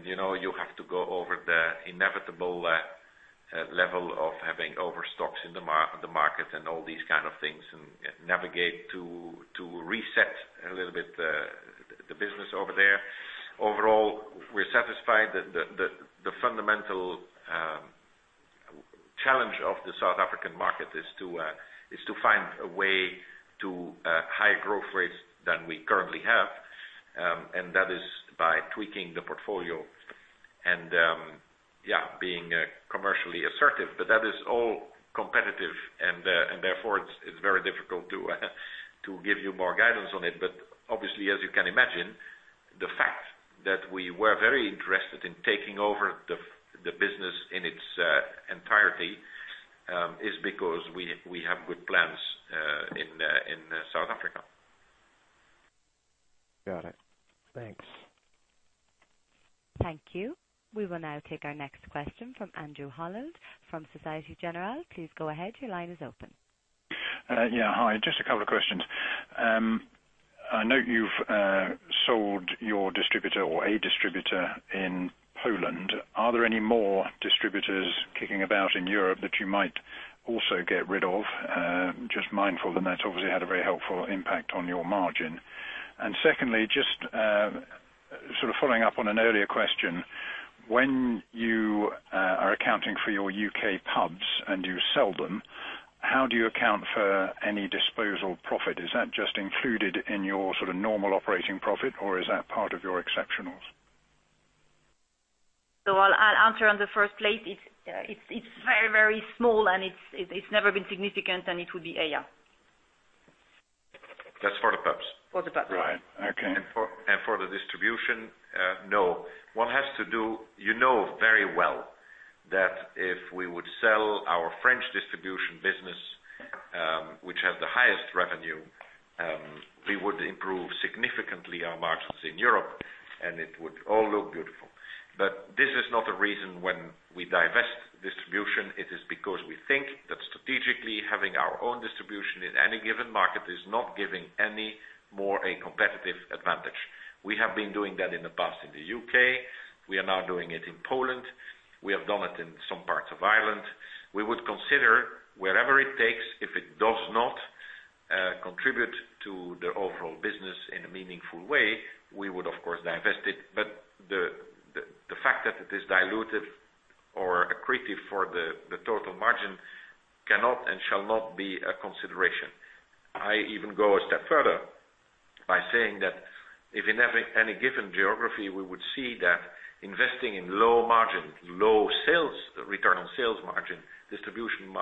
You have to go over the inevitable level of having overstocks in the market and all these kind of things, and navigate to reset a little bit the business over there. Overall, we're satisfied that the fundamental challenge of the South African market is to find a way to higher growth rates than we currently have. That is by tweaking the portfolio and being commercially assertive. That is all competitive and therefore it's very difficult to give you more guidance on it. Obviously, as you can imagine, the fact that we were very interested in taking over the business in its entirety, is because we have good plans in South Africa. Got it. Thanks. Thank you. We will now take our next question from Andrew Holland from Societe Generale. Please go ahead. Your line is open. Yeah. Hi, just a couple of questions. I note you've sold your distributor or a distributor in Poland. Are there any more distributors kicking about in Europe that you might also get rid of? Just mindful that that's obviously had a very helpful impact on your margin. Secondly, just sort of following up on an earlier question, when you are accounting for your U.K. pubs and you sell them, how do you account for any disposal profit? Is that just included in your sort of normal operating profit or is that part of your exceptionals? I'll answer on the first point. It's very small and it's never been significant, and it would be [AR]. That's for the pubs. For the pubs. Right. Okay. For the distribution, no. One has to do. You know very well that if we would sell our French distribution business, which has the highest revenue, we would improve significantly our margins in Europe, it would all look beautiful. This is not a reason when we divest distribution, it is because we think that strategically having our own distribution in any given market is not giving any more a competitive advantage. We have been doing that in the U.K., we are now doing it in Poland, we have done it in some parts of Ireland. We would consider wherever it takes, if it does not contribute to the overall business in a meaningful way, we would of course divest it. The fact that it is diluted or accretive for the total margin cannot and shall not be a consideration. I even go a step further by saying that if in any given geography, we would see that investing in low margin, low return on sales margin, distribution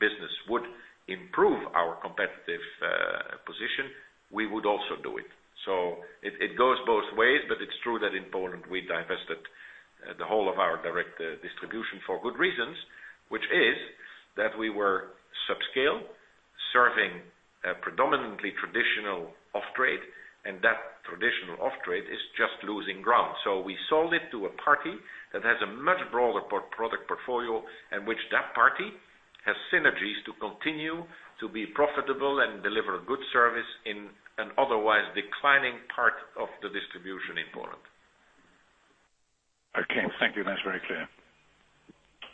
business would improve our competitive position, we would also do it. It goes both ways, but it's true that in Poland we divested the whole of our direct distribution for good reasons, which is that we were subscale, serving a predominantly traditional off-trade, that traditional off-trade is just losing ground. We sold it to a party that has a much broader product portfolio, which that party has synergies to continue to be profitable and deliver good service in an otherwise declining part of the distribution in Poland. Okay. Thank you. That's very clear.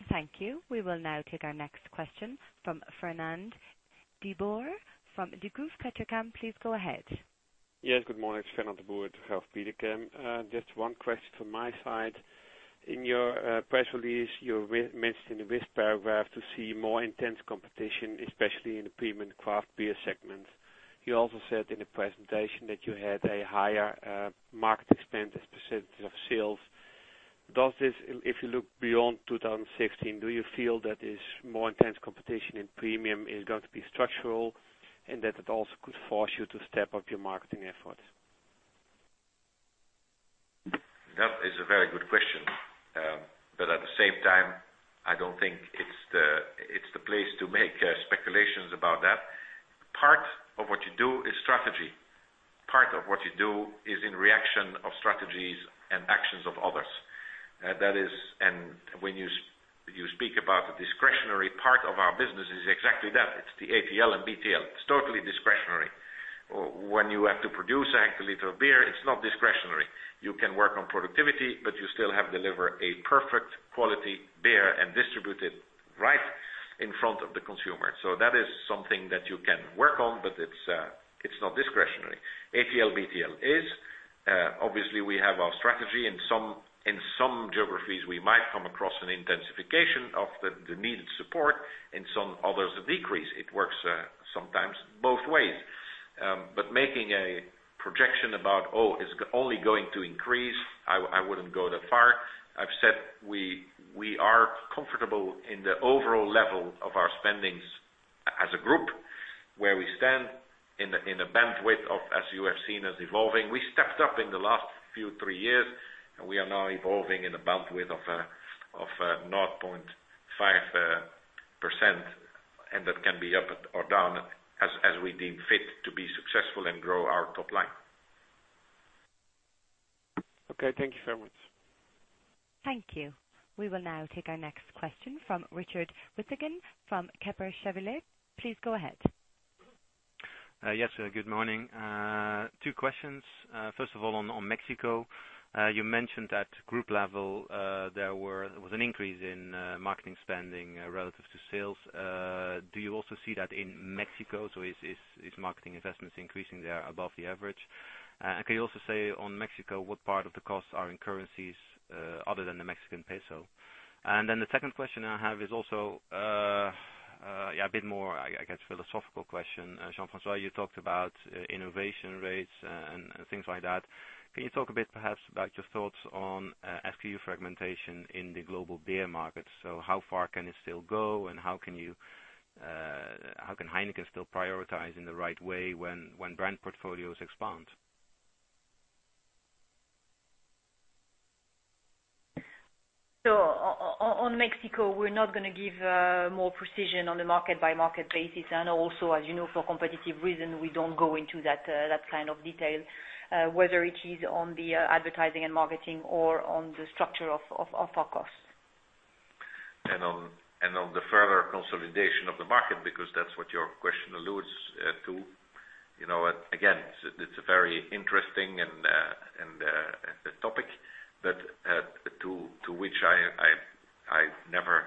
Thank you. We will now take our next question from Fernand de Boer from Degroof Petercam. Please go ahead. Yes, good morning. It's Fernand de Boer, Degroof Petercam. Just one question from my side. In your press release, you mentioned in the risk paragraph to see more intense competition, especially in the premium craft beer segment. You also said in the presentation that you had a higher market spend as % of sales. If you look beyond 2016, do you feel that this more intense competition in premium is going to be structural, and that it also could force you to step up your marketing efforts? That is a very good question. At the same time, I don't think it's the place to make speculations about that. Part of what you do is strategy. Part of what you do is in reaction of strategies and actions of others. When you speak about the discretionary part of our business Exactly that. It's the ATL and BTL. It's totally discretionary. When you have to produce a hectoliter of beer, it's not discretionary. You can work on productivity, but you still have to deliver a perfect quality beer and distribute it right in front of the consumer. That is something that you can work on, but it's not discretionary. ATL, BTL is. Obviously, we have our strategy. In some geographies, we might come across an intensification of the needed support, in some others, a decrease. It works sometimes both ways. Making a projection about, "Oh, it's only going to increase," I wouldn't go that far. I've said we are comfortable in the overall level of our spendings as a group, where we stand in a bandwidth of, as you have seen, us evolving. We stepped up in the last few three years, and we are now evolving in a bandwidth of 0.5%, and that can be up or down as we deem fit to be successful and grow our top line. Okay, thank you very much. Thank you. We will now take our next question from Richard Withagen from Kepler Cheuvreux. Please go ahead. Yes, good morning. Two questions. First of all, on Mexico, you mentioned that group level, there was an increase in marketing spending relative to sales. Is marketing investments increasing there above the average? Can you also say on Mexico, what part of the costs are in currencies other than the Mexican peso? The second question I have is also a bit more, I guess, philosophical question. Jean-François, you talked about innovation rates and things like that. Can you talk a bit perhaps about your thoughts on SKU fragmentation in the global beer market? How far can it still go, and how can Heineken still prioritize in the right way when brand portfolios expand? On Mexico, we're not going to give more precision on the market-by-market basis. Also, as you know, for competitive reason, we don't go into that kind of detail, whether it is on the advertising and marketing or on the structure of our costs. On the further consolidation of the market, because that's what your question alludes to. Again, it's a very interesting topic, but to which I never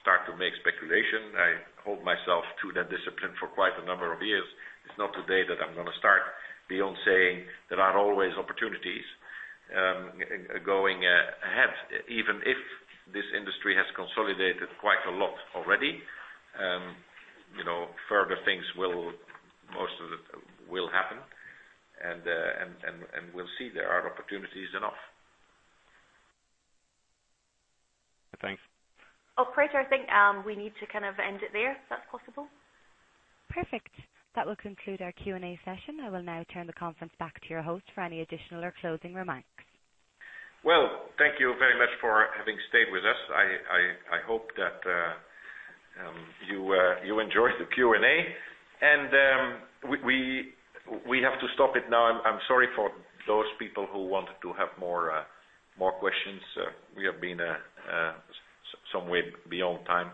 start to make speculation. I hold myself to that discipline for quite a number of years. It's not today that I'm going to start beyond saying there are always opportunities going ahead. Even if this industry has consolidated quite a lot already, further things most of it will happen, and we'll see there are opportunities enough. Thanks. Operator, I think we need to end it there, if that's possible. Perfect. That will conclude our Q&A session. I will now turn the conference back to your host for any additional or closing remarks. Well, thank you very much for having stayed with us. I hope that you enjoyed the Q&A. We have to stop it now. I'm sorry for those people who wanted to have more questions. We have been some way beyond time.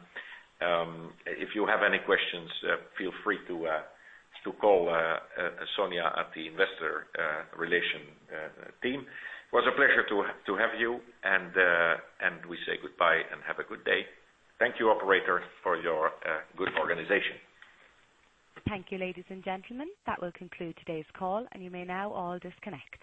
If you have any questions, feel free to call Sonia at the investor relations team. It was a pleasure to have you. We say goodbye and have a good day. Thank you, operator, for your good organization. Thank you, ladies and gentlemen. That will conclude today's call. You may now all disconnect.